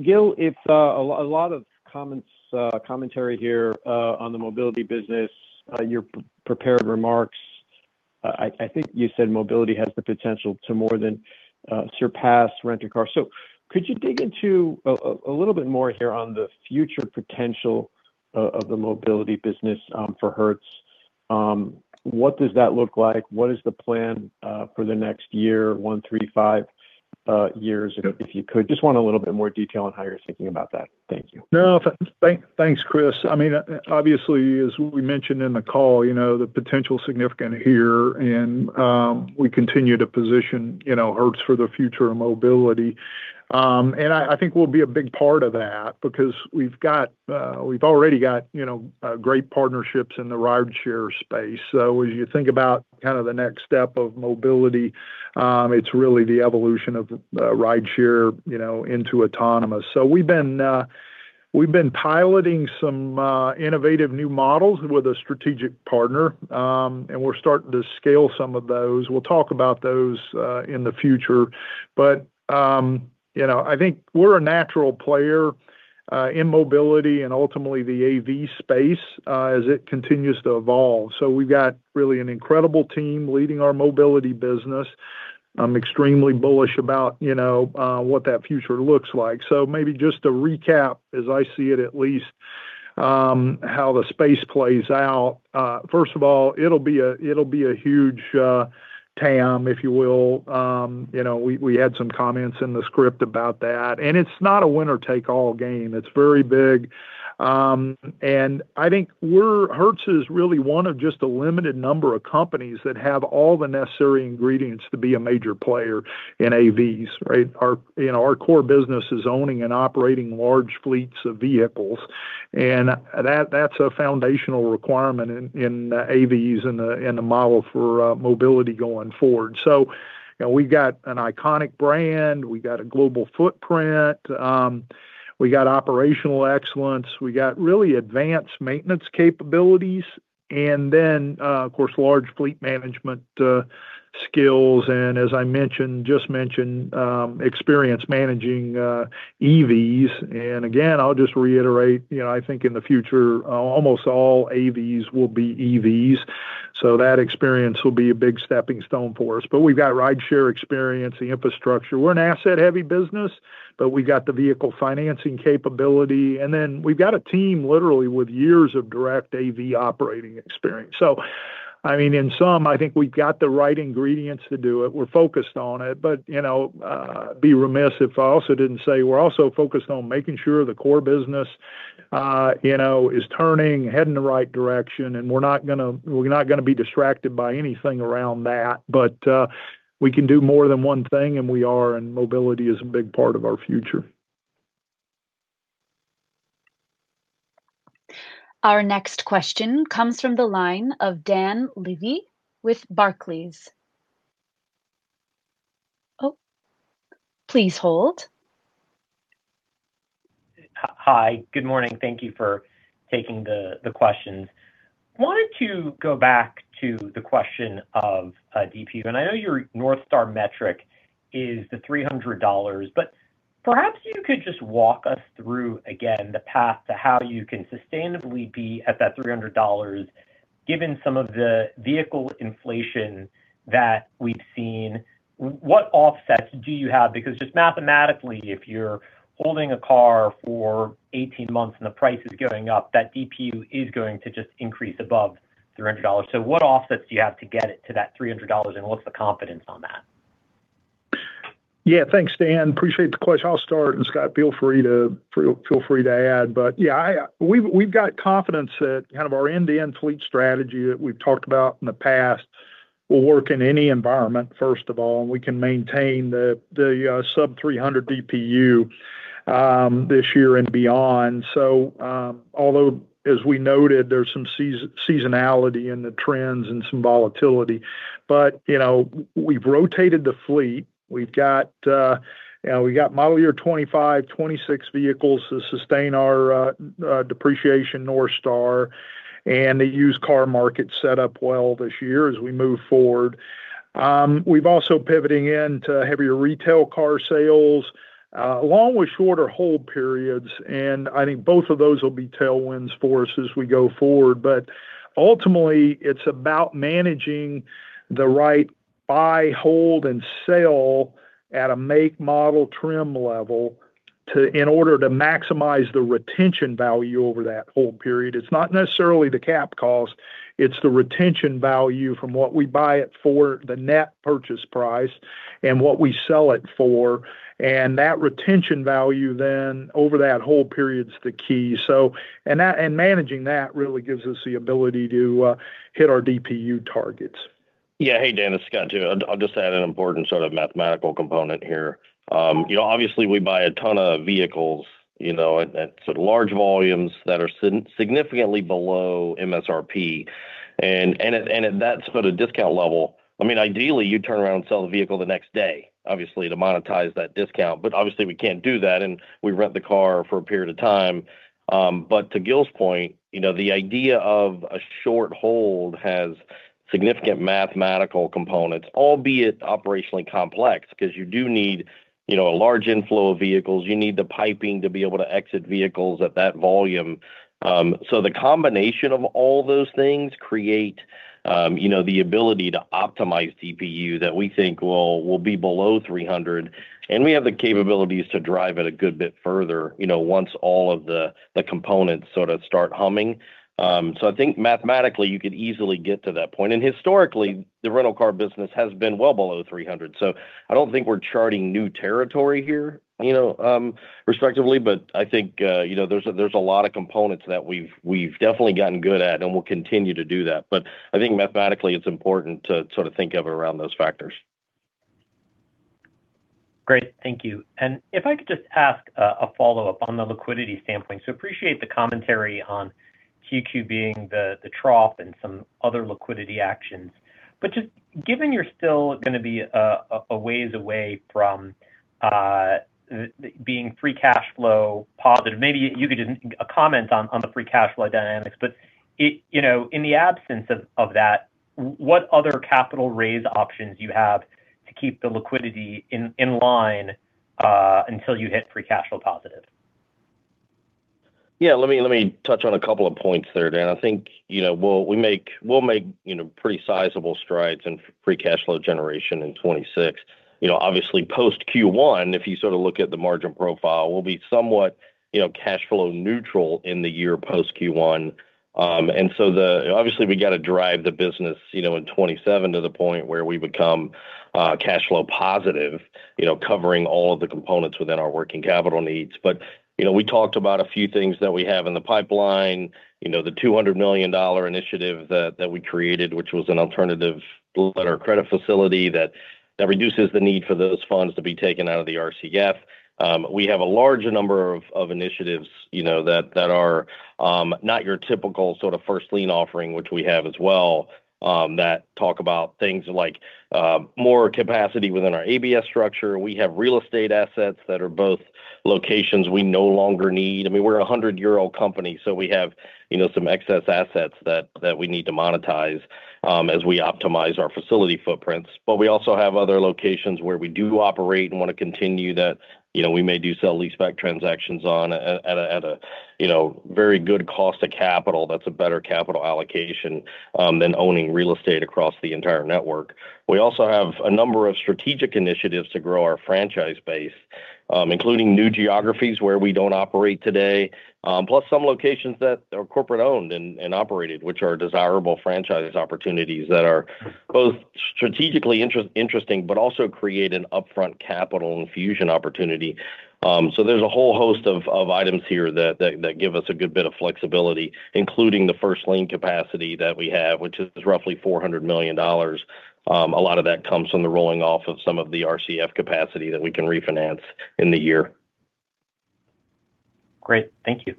S7: Gil, it's a lot of comments, commentary here, on the mobility business, your prepared remarks. I think you said mobility has the potential to more than surpass rental cars. Could you dig into a little bit more here on the future potential of the mobility business for Hertz? What does that look like? What is the plan for the next year, one to three, five years? If you could, just want a little bit more detail on how you're thinking about that. Thank you.
S3: No, thanks, Chris. I mean, obviously, as we mentioned in the call, you know, the potential is significant here, and we continue to position, you know, Hertz for the future of mobility. And I think we'll be a big part of that because we've got, we've already got, you know, great partnerships in the rideshare space. As you think about kind of the next step of mobility, it's really the evolution of rideshare, you know, into autonomous. We've been, we've been piloting some innovative new models with a strategic partner, and we're starting to scale some of those. We'll talk about those in the future. You know, I think we're a natural player in mobility and ultimately the AV space as it continues to evolve. We've got really an incredible team leading our mobility business. I'm extremely bullish about, you know, what that future looks like. Maybe just to recap, as I see it at least, how the space plays out. First of all, it'll be a huge TAM, if you will. You know, we had some comments in the script about that, and it's not a winner-take-all game. It's very big, and I think Hertz is really one of just a limited number of companies that have all the necessary ingredients to be a major player in AVs, right? Our, you know, our core business is owning and operating large fleets of vehicles. That's a foundational requirement in AVs and the, and the model for mobility going forward. You know, we've got an iconic brand, we got a global footprint, we got operational excellence, we got really advanced maintenance capabilities, and then, of course, large fleet management skills, and as I mentioned, just mentioned, experience managing EVs. Again, I'll just reiterate, you know, I think in the future, almost all AVs will be EVs, so that experience will be a big stepping stone for us. We've got rideshare experience, the infrastructure. We're an asset-heavy business, but we've got the vehicle financing capability, and then we've got a team literally with years of direct AV operating experience. I mean, in some, I think we've got the right ingredients to do it. We're focused on it, but, you know, be remiss if I also didn't say we're also focused on making sure the core business, you know, is turning, heading in the right direction, and we're not gonna be distracted by anything around that. We can do more than one thing, and we are, and mobility is a big part of our future.
S1: Our next question comes from the line of Dan Levy with Barclays. Oh, please hold.
S8: Hi. Good morning. Thank you for taking the questions. Wanted to go back to the question of DPU. I know your North Star metric is the $300, but perhaps you could just walk us through, again, the path to how you can sustainably be at that $300, given some of the vehicle inflation that we've seen. What offsets do you have? Because just mathematically, if you're holding a car for 18 months and the price is going up, that DPU is going to just increase above $300. What offsets do you have to get it to that $300, and what's the confidence on that?
S3: Thanks, Dan. Appreciate the question. I'll start, Scott, feel free to add. I've got confidence that kind of our end-to-end fleet strategy that we've talked about in the past will work in any environment, first of all, and we can maintain the sub-$300 DPU this year and beyond. Although, as we noted, there's some seasonality in the trends and some volatility, but, you know, we've rotated the fleet. We've got model year 25, 26 vehicles to sustain our depreciation North Star and the used car market set up well this year as we move forward. We've also pivoting in to heavier Hertz Car Sales along with shorter hold periods, and I think both of those will be tailwinds for us as we go forward. Ultimately, it's about managing the right buy, hold, and sell at a make, model, trim level in order to maximize the retention value over that hold period. It's not necessarily the cap cost, it's the retention value from what we buy it for, the net purchase price, and what we sell it for, and that retention value then over that hold period is the key. And managing that really gives us the ability to hit our DPU targets.
S5: Yeah. Hey, Dan, it's Scott, too. I'll just add an important sort of mathematical component here. you know, obviously, we buy a ton of vehicles, you know, at large volumes that are significantly below MSRP, and at that sort of discount level. I mean, ideally, you turn around and sell the vehicle the next day, obviously, to monetize that discount. Obviously, we can't do that, and we rent the car for a period of time. To Gil's point, you know, the idea of a short hold has significant mathematical components, albeit operationally complex, because you do need, you know, a large inflow of vehicles. You need the piping to be able to exit vehicles at that volume. The combination of all those things create, you know, the ability to optimize DPU that we think will be below $300, and we have the capabilities to drive it a good bit further, you know, once all of the components sort of start humming. I think mathematically, you could easily get to that point. Historically, the rental car business has been well below $300. I don't think we're charting new territory here, you know, respectively, but I think, you know, there's a lot of components that we've definitely gotten good at, and we'll continue to do that. I think mathematically, it's important to sort of think of around those factors.
S8: Great. Thank you. If I could just ask a follow-up on the liquidity standpoint. Appreciate the commentary on Q2 being the trough and some other liquidity actions. Just given you're still gonna be a ways away from the being free cash flow positive, maybe you could just comment on the free cash flow dynamics. You know, in the absence of that, what other capital raise options do you have to keep the liquidity in line until you hit free cash flow positive?
S5: Let me, let me touch on a couple of points there, Dan. I think, you know, we'll make, you know, pretty sizable strides in free cash flow generation in 2026. You know, obviously, post Q1, if you sort of look at the margin profile, we'll be somewhat, you know, cash flow neutral in the year post Q1. Obviously, we got to drive the business, you know, in 2027 to the point where we become cash flow positive, you know, covering all of the components within our working capital needs. You know, we talked about a few things that we have in the pipeline, you know, the $200 million initiative that we created, which was an alternative lender credit facility that reduces the need for those funds to be taken out of the RCF. We have a large number of initiatives, you know, that are not your typical sort of first lien offering, which we have as well, that talk about things like more capacity within our ABS structure. We have real estate assets that are both locations we no longer need. I mean, we're a 100-year-old company, so we have, you know, some excess assets that we need to monetize, as we optimize our facility footprints. We also have other locations where we do operate and want to continue that, you know, we may do sale-leaseback transactions on, at a very good cost of capital. That's a better capital allocation, than owning real estate across the entire network. We also have a number of strategic initiatives to grow our franchise base, including new geographies where we don't operate today, plus some locations that are corporate-owned and operated, which are desirable franchise opportunities that are both strategically interesting, but also create an upfront capital infusion opportunity. There's a whole host of items here that give us a good bit of flexibility, including the first lien capacity that we have, which is roughly $400 million. A lot of that comes from the rolling off of some of the RCF capacity that we can refinance in the year.
S8: Great. Thank you.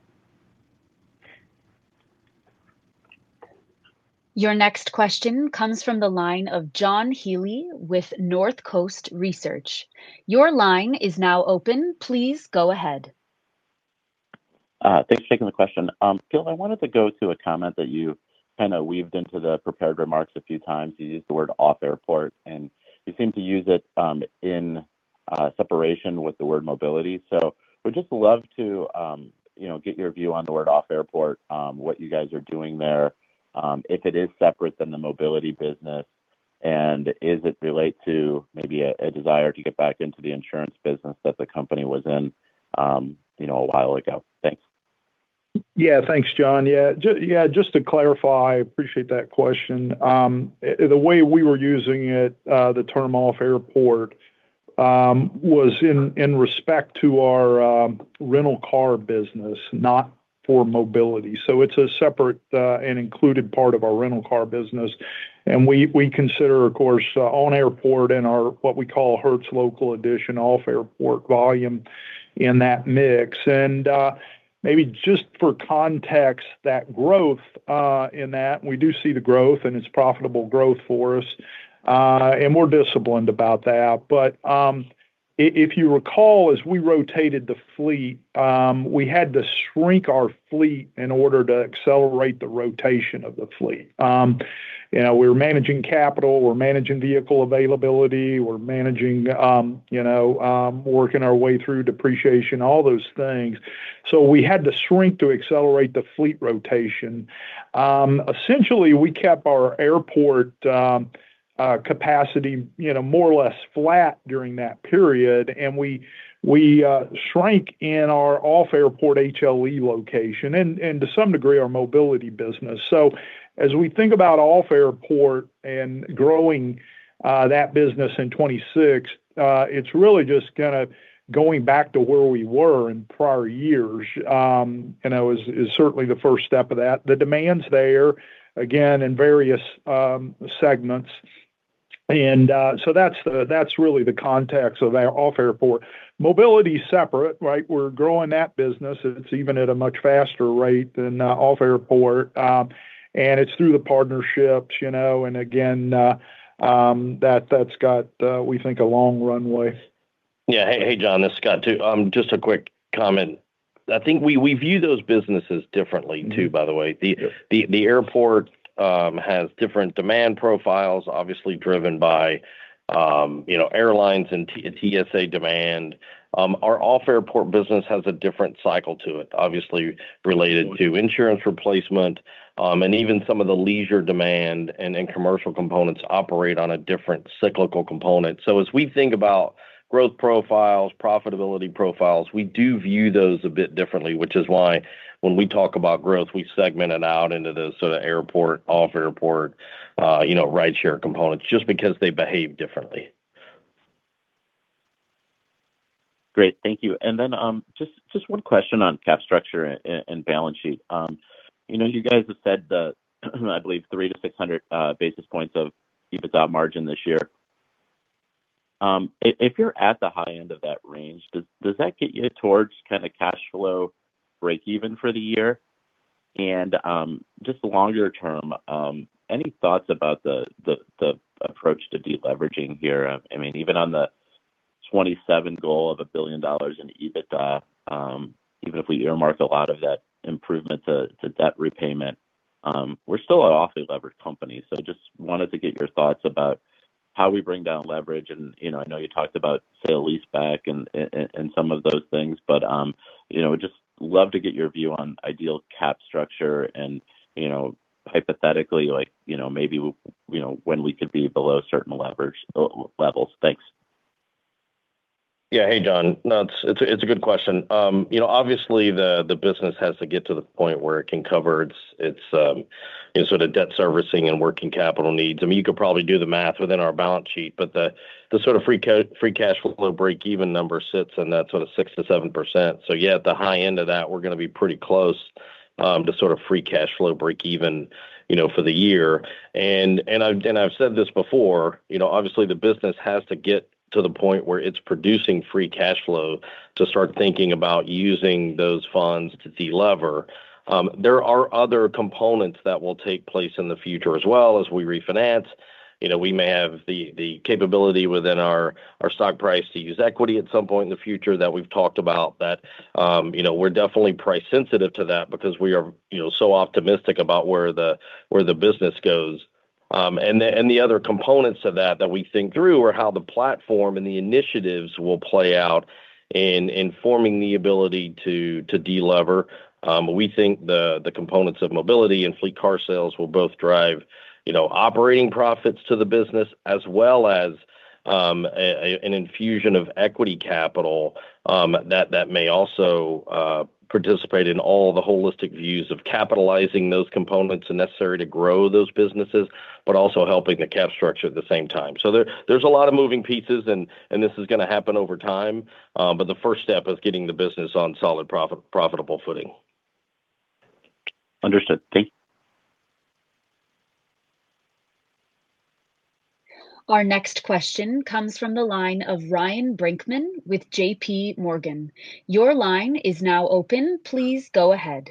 S1: Your next question comes from the line of John Healy with Northcoast Research. Your line is now open. Please go ahead.
S9: Thanks for taking the question. Phil, I wanted to go to a comment that you kind of weaved into the prepared remarks a few times. You used the word off-airport, and you seemed to use it in separation with the word mobility. Would just love to, you know, get your view on the word off-airport, what you guys are doing there, if it is separate than the mobility business, and is it related to maybe a desire to get back into the insurance business that the company was in, you know, a while ago? Thanks.
S3: Yeah. Thanks, John. Yeah, just to clarify, I appreciate that question. The way we were using it, the term off-airport, was in respect to our rental car business, not for mobility. It's a separate and included part of our rental car business, and we consider, of course, on-airport and our, what we call Hertz Local Edition off-airport volume in that mix. Maybe just for context, that growth in that, we do see the growth, and it's profitable growth for us, and we're disciplined about that. If you recall, as we rotated the fleet, we had to shrink our fleet in order to accelerate the rotation of the fleet. You know, we're managing capital, we're managing vehicle availability, we're managing, you know, working our way through depreciation, all those things. We had to shrink to accelerate the fleet rotation. Essentially, we kept our airport capacity, you know, more or less flat during that period, and we shrank in our off-airport HLE location and to some degree, our mobility business. As we think about off-airport and growing that business in 2026, it's really just kinda going back to where we were in prior years. And that is certainly the first step of that. The demand's there, again, in various segments. That's really the context of our off-airport. Mobility is separate, right? We're growing that business, it's even at a much faster rate than off-airport. It's through the partnerships, you know, and again, that's got, we think, a long runway.
S5: Yeah. Hey, hey, John, this is Scott, too. Just a quick comment. I think we view those businesses differently, too, by the way.
S3: Yeah.
S5: The airport has different demand profiles, obviously driven by, you know, airlines and TSA demand. Our off-airport business has a different cycle to it, obviously related.
S3: Sure.
S5: -to insurance replacement, and even some of the leisure demand and commercial components operate on a different cyclical component. As we think about growth profiles, profitability profiles, we do view those a bit differently, which is why when we talk about growth, we segment it out into the sort of airport, off-airport, rideshare components, just because they behave differently.
S9: Great. Thank you. Just one question on cap structure and balance sheet. You know, you guys have said the, I believe, 300-600 basis points of EBITDA margin this year. If you're at the high end of that range, does that get you towards kind of cash flow break even for the year? Just longer term, any thoughts about the approach to deleveraging here? I mean, even on the 27 goal of $1 billion in EBITDA, even if we earmark a lot of that improvement to debt repayment, we're still an awfully leveraged company. Just wanted to get your thoughts about how we bring down leverage and, you know, I know you talked about sale-leaseback and some of those things, but, you know, just love to get your view on ideal cap structure and, you know, hypothetically, like, you know, maybe, you know, when we could be below certain leverage levels. Thanks.
S5: Yeah. Hey, John. No, it's a good question. you know, obviously, the business has to get to the point where it can cover its, you know, sort of debt servicing and working capital needs. I mean, you could probably do the math within our balance sheet, the sort of free cash flow break even number sits in that sort of 6%-7%. Yeah, at the high end of that, we're going to be pretty close. The sort of free cash flow breakeven, you know, for the year. I've said this before, you know, obviously the business has to get to the point where it's producing free cash flow to start thinking about using those funds to delever. There are other components that will take place in the future as well as we refinance. You know, we may have the capability within our stock price to use equity at some point in the future that we've talked about, that, you know, we're definitely price sensitive to that because we are, you know, so optimistic about where the, where the business goes. The, and the other components of that we think through are how the platform and the initiatives will play out in forming the ability to delever. We think the components of mobility and fleet car sales will both drive, you know, operating profits to the business as well as an infusion of equity capital that may also participate in all the holistic views of capitalizing those components and necessary to grow those businesses, but also helping the cap structure at the same time. There's a lot of moving pieces and this is going to happen over time, but the first step is getting the business on solid profitable footing.
S9: Understood. Thank you.
S1: Our next question comes from the line of Ryan Brinkman with JPMorgan. Your line is now open. Please go ahead.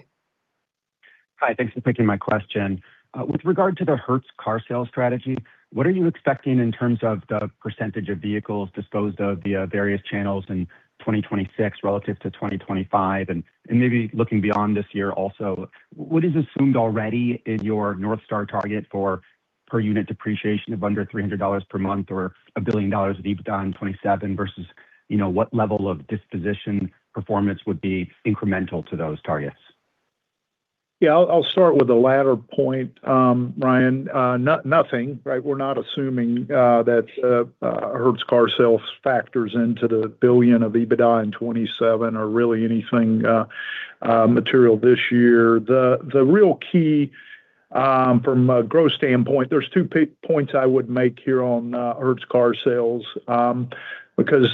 S10: Hi, thanks for taking my question. With regard to the Hertz Car Sales strategy, what are you expecting in terms of the percentage of vehicles disposed of via various channels in 2026 relative to 2025? Maybe looking beyond this year also, what is assumed already in your North Star target for per unit depreciation of under $300 per month or $1 billion of EBITDA in 2027, versus, you know, what level of disposition performance would be incremental to those targets?
S3: Yeah, I'll start with the latter point, Ryan. Nothing, right? We're not assuming that Hertz Car Sales factors into the $1 billion of EBITDA in 2027 or really anything material this year. The real key from a growth standpoint, there's 2 points I would make here on Hertz Car Sales because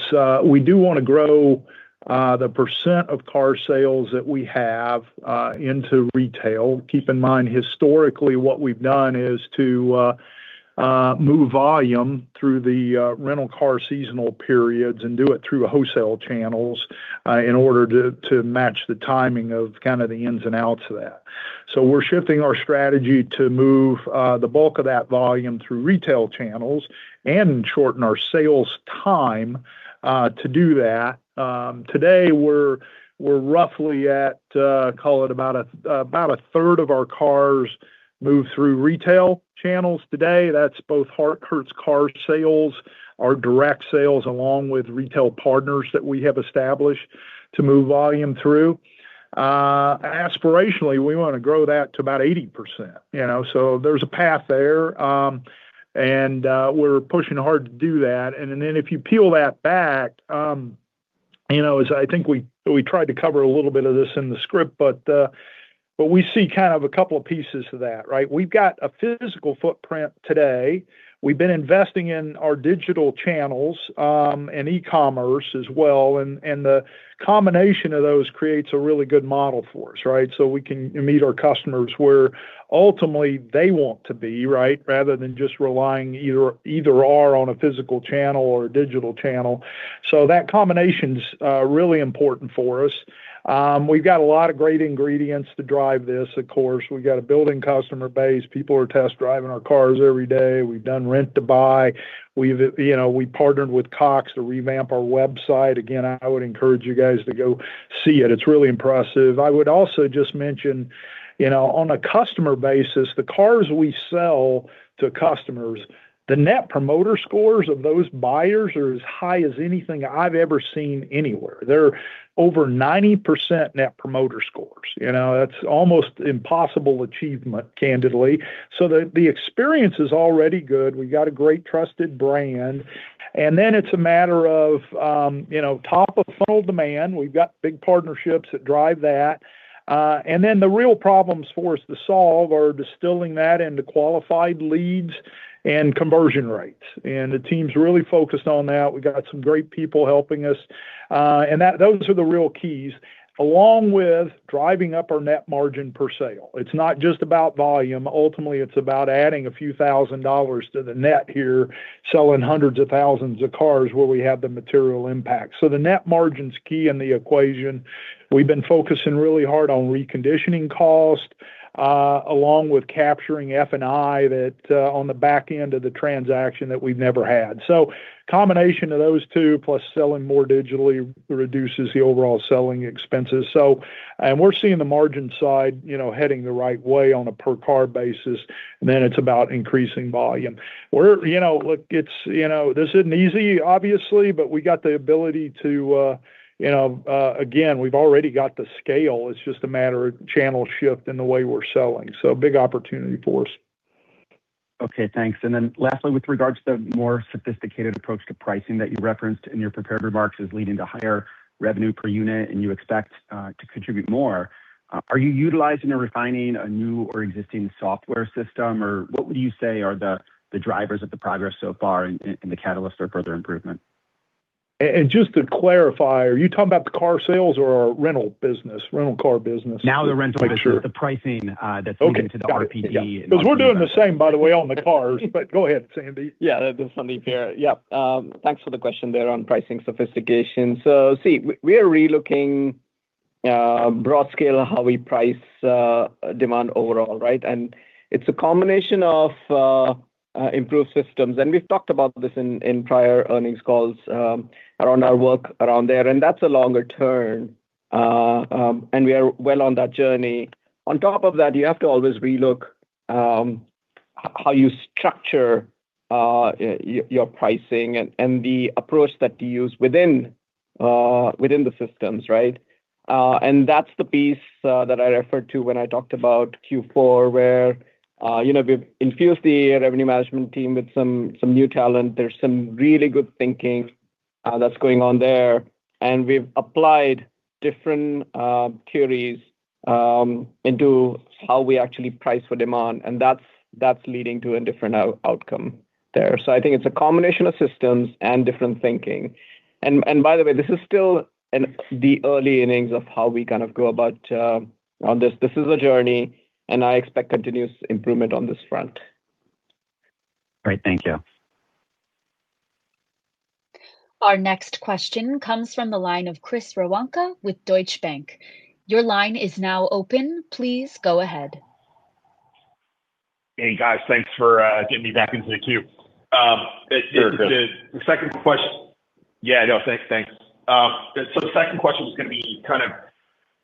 S3: we do want to grow the percent of car sales that we have into retail. Keep in mind, historically, what we've done is to move volume through the rental car seasonal periods and do it through wholesale channels in order to match the timing of kind of the ins and outs of that. We're shifting our strategy to move the bulk of that volume through retail channels and shorten our sales time to do that. Today, we're roughly at call it about a third of our cars move through retail channels today. That's both Hertz Car Sales, our direct sales, along with retail partners that we have established to move volume through. Aspirationally, we want to grow that to about 80%, you know, so there's a path there, and we're pushing hard to do that. If you peel that back, you know, as I think we tried to cover a little bit of this in the script, but we see kind of a couple of pieces of that, right? We've got a physical footprint today. We've been investing in our digital channels, and e-commerce as well, and the combination of those creates a really good model for us, right? We can meet our customers where ultimately they want to be, right, rather than just relying either/or on a physical channel or a digital channel. That combination's really important for us. We've got a lot of great ingredients to drive this, of course. We've got a building customer base. People are test-driving our cars every day. We've done Rent2Buy. We've, you know, we partnered with Cox to revamp our website. Again, I would encourage you guys to go see it. It's really impressive. I would also just mention, you know, on a customer basis, the cars we sell to customers, the Net Promoter Scores of those buyers are as high as anything I've ever seen anywhere. They're over 90% Net Promoter Scores. You know, that's almost impossible achievement, candidly. The experience is already good. We've got a great trusted brand, and then it's a matter of, you know, top-of-funnel demand. We've got big partnerships that drive that, and then the real problems for us to solve are distilling that into qualified leads and conversion rates. The team's really focused on that. We've got some great people helping us, and those are the real keys, along with driving up our net margin per sale. It's not just about volume. Ultimately, it's about adding a few thousand dollars to the net here, selling hundreds of thousands of cars where we have the material impact. The net margin's key in the equation. We've been focusing really hard on reconditioning cost, along with capturing F&I that on the back end of the transaction that we've never had. Combination of those two, plus selling more digitally, reduces the overall selling expenses. We're seeing the margin side, you know, heading the right way on a per-car basis, and then it's about increasing volume. We're, you know, look, it's, you know, this isn't easy, obviously, but we got the ability to, you know, again, we've already got the scale. It's just a matter of channel shift in the way we're selling. Big opportunity for us.
S10: Okay, thanks. Lastly, with regards to the more sophisticated approach to pricing that you referenced in your prepared remarks as leading to higher revenue per unit, and you expect to contribute more, are you utilizing or refining a new or existing software system? What would you say are the drivers of the progress so far and the catalysts for further improvement?
S3: Just to clarify, are you talking about the Car Sales or our rental business, rental car business?
S10: The rental business, the pricing, that's coming to the RPD.
S3: Okay, got it. Yeah, because we're doing the same, by the way, on the cars. Go ahead, Sandeep.
S4: Yeah, this is Sandeep here. Yep, thanks for the question there on pricing sophistication. See, we are relooking broad scale, how we price demand overall, right? It's a combination of improved systems, and we've talked about this in prior earnings calls, around our work around there, and that's a longer term, and we are well on that journey. On top of that, you have to always relook how you structure your pricing and the approach that you use within the systems, right? And that's the piece that I referred to when I talked about Q4, where, you know, we've infused the revenue management team with some new talent. There's some really good thinking, that's going on there, and we've applied different theories into how we actually price for demand, and that's leading to a different outcome there. I think it's a combination of systems and different thinking. By the way, this is still in the early innings of how we kind of go about on this. This is a journey, and I expect continuous improvement on this front.
S10: Great, thank you.
S1: Our next question comes from the line of Chris Woronka with Deutsche Bank. Your line is now open. Please go ahead.
S6: Hey, guys. Thanks for getting me back into the queue.
S3: Sure.
S6: Yeah, no, thanks. Thanks. The second question is gonna be kind of,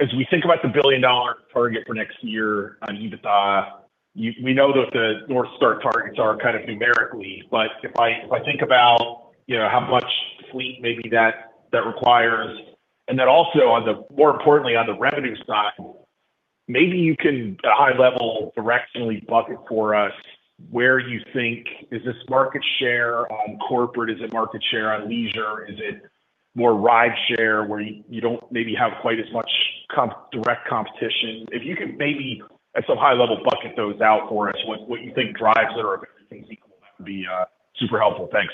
S6: as we think about the billion-dollar target for next year on EBITDA, we know that the North Star targets are kind of numerically, but if I, if I think about, you know, how much fleet maybe that requires, and then also on the... More importantly, on the revenue side, maybe you can, at a high level, directionally bucket for us where you think, is this market share on corporate? Is it market share on leisure? Is it more ride share, where you don't maybe have quite as much direct competition? If you can maybe at some high level, bucket those out for us, what you think drives it or everything, that would be super helpful? Thanks.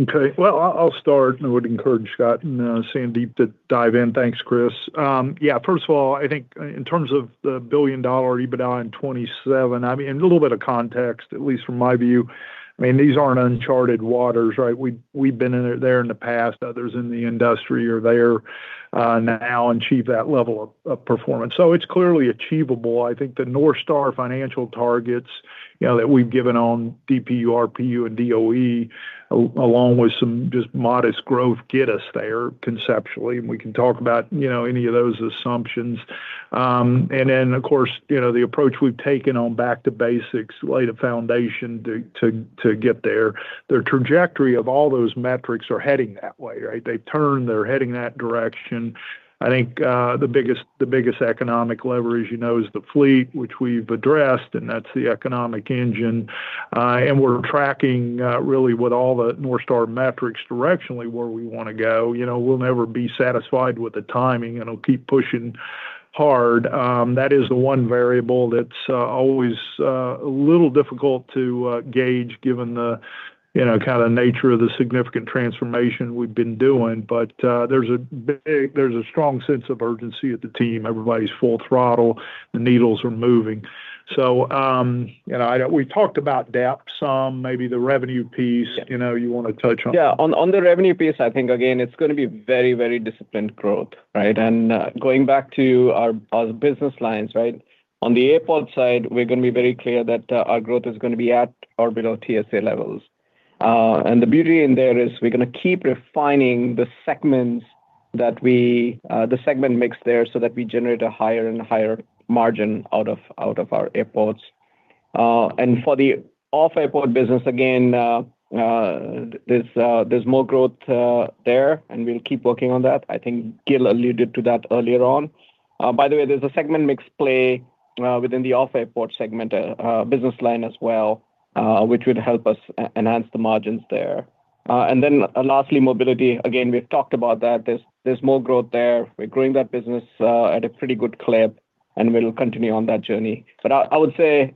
S3: Okay, well, I'll start. I would encourage Scott and Sandeep to dive in. Thanks, Chris. Yeah, first of all, I think in terms of the billion-dollar EBITDA in 2027, I mean, a little bit of context, at least from my view, I mean, these aren't uncharted waters, right? We've been in there in the past. Others in the industry are there now and achieve that level of performance. It's clearly achievable. I think the North Star financial targets, you know, that we've given on DPU, RPU, and DOE, along with some just modest growth, get us there conceptually, and we can talk about, you know, any of those assumptions. Of course, you know, the approach we've taken on Back to Basics, lay the foundation to get there. The trajectory of all those metrics are heading that way, right? They've turned, they're heading that direction. I think, the biggest economic leverage, you know, is the fleet, which we've addressed, and that's the economic engine. We're tracking, really with all the North Star metrics directionally, where we wanna go. You know, we'll never be satisfied with the timing, and we'll keep pushing hard. That is the one variable that's always a little difficult to gauge, given the, you know, kind of nature of the significant transformation we've been doing. But, there's a strong sense of urgency at the team. Everybody's full throttle, the needles are moving. You know, I know we talked about depth, some, maybe the revenue piece, you know, you want to touch on?
S4: Yeah. On the revenue piece, I think, again, it's going to be very, very disciplined growth, right? Going back to our business lines, right? On the airport side, we're going to be very clear that our growth is going to be at or below TSA levels. The beauty in there is we're going to keep refining the segments that we the segment mix there so that we generate a higher and higher margin out of our airports. For the off-airport business, again, there's more growth there, and we'll keep working on that. I think Gil alluded to that earlier on. By the way, there's a segment mix play within the off-airport segment business line as well, which would help us enhance the margins there. Then lastly, mobility. Again, we've talked about that. There's more growth there. We're growing that business at a pretty good clip, and we'll continue on that journey. I would say,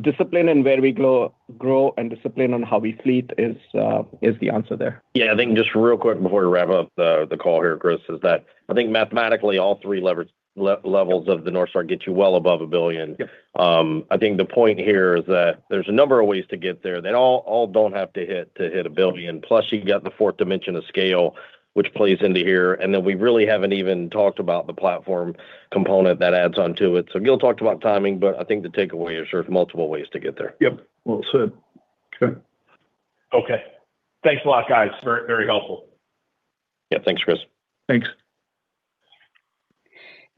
S4: discipline in where we grow, and discipline on how we fleet is the answer there.
S5: Yeah, I think just real quick before we wrap up the call here, Chris, is that I think mathematically, all three levels of the North Star get you well above $1 billion.
S4: Yeah.
S5: I think the point here is that there's a number of ways to get there. They all don't have to hit $1 billion. Plus, you got the fourth dimension of scale, which plays into here, and then we really haven't even talked about the platform component that adds on to it. Gil talked about timing, but I think the takeaway is there's multiple ways to get there.
S3: Yep, well said. Okay.
S6: Okay. Thanks a lot, guys. Very, very helpful.
S5: Yeah. Thanks, Chris.
S3: Thanks.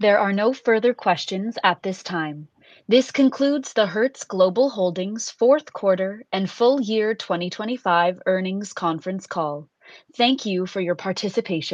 S1: There are no further questions at this time. This concludes the Hertz Global Holdings fourth quarter and full year 2025 earnings conference call. Thank you for your participation.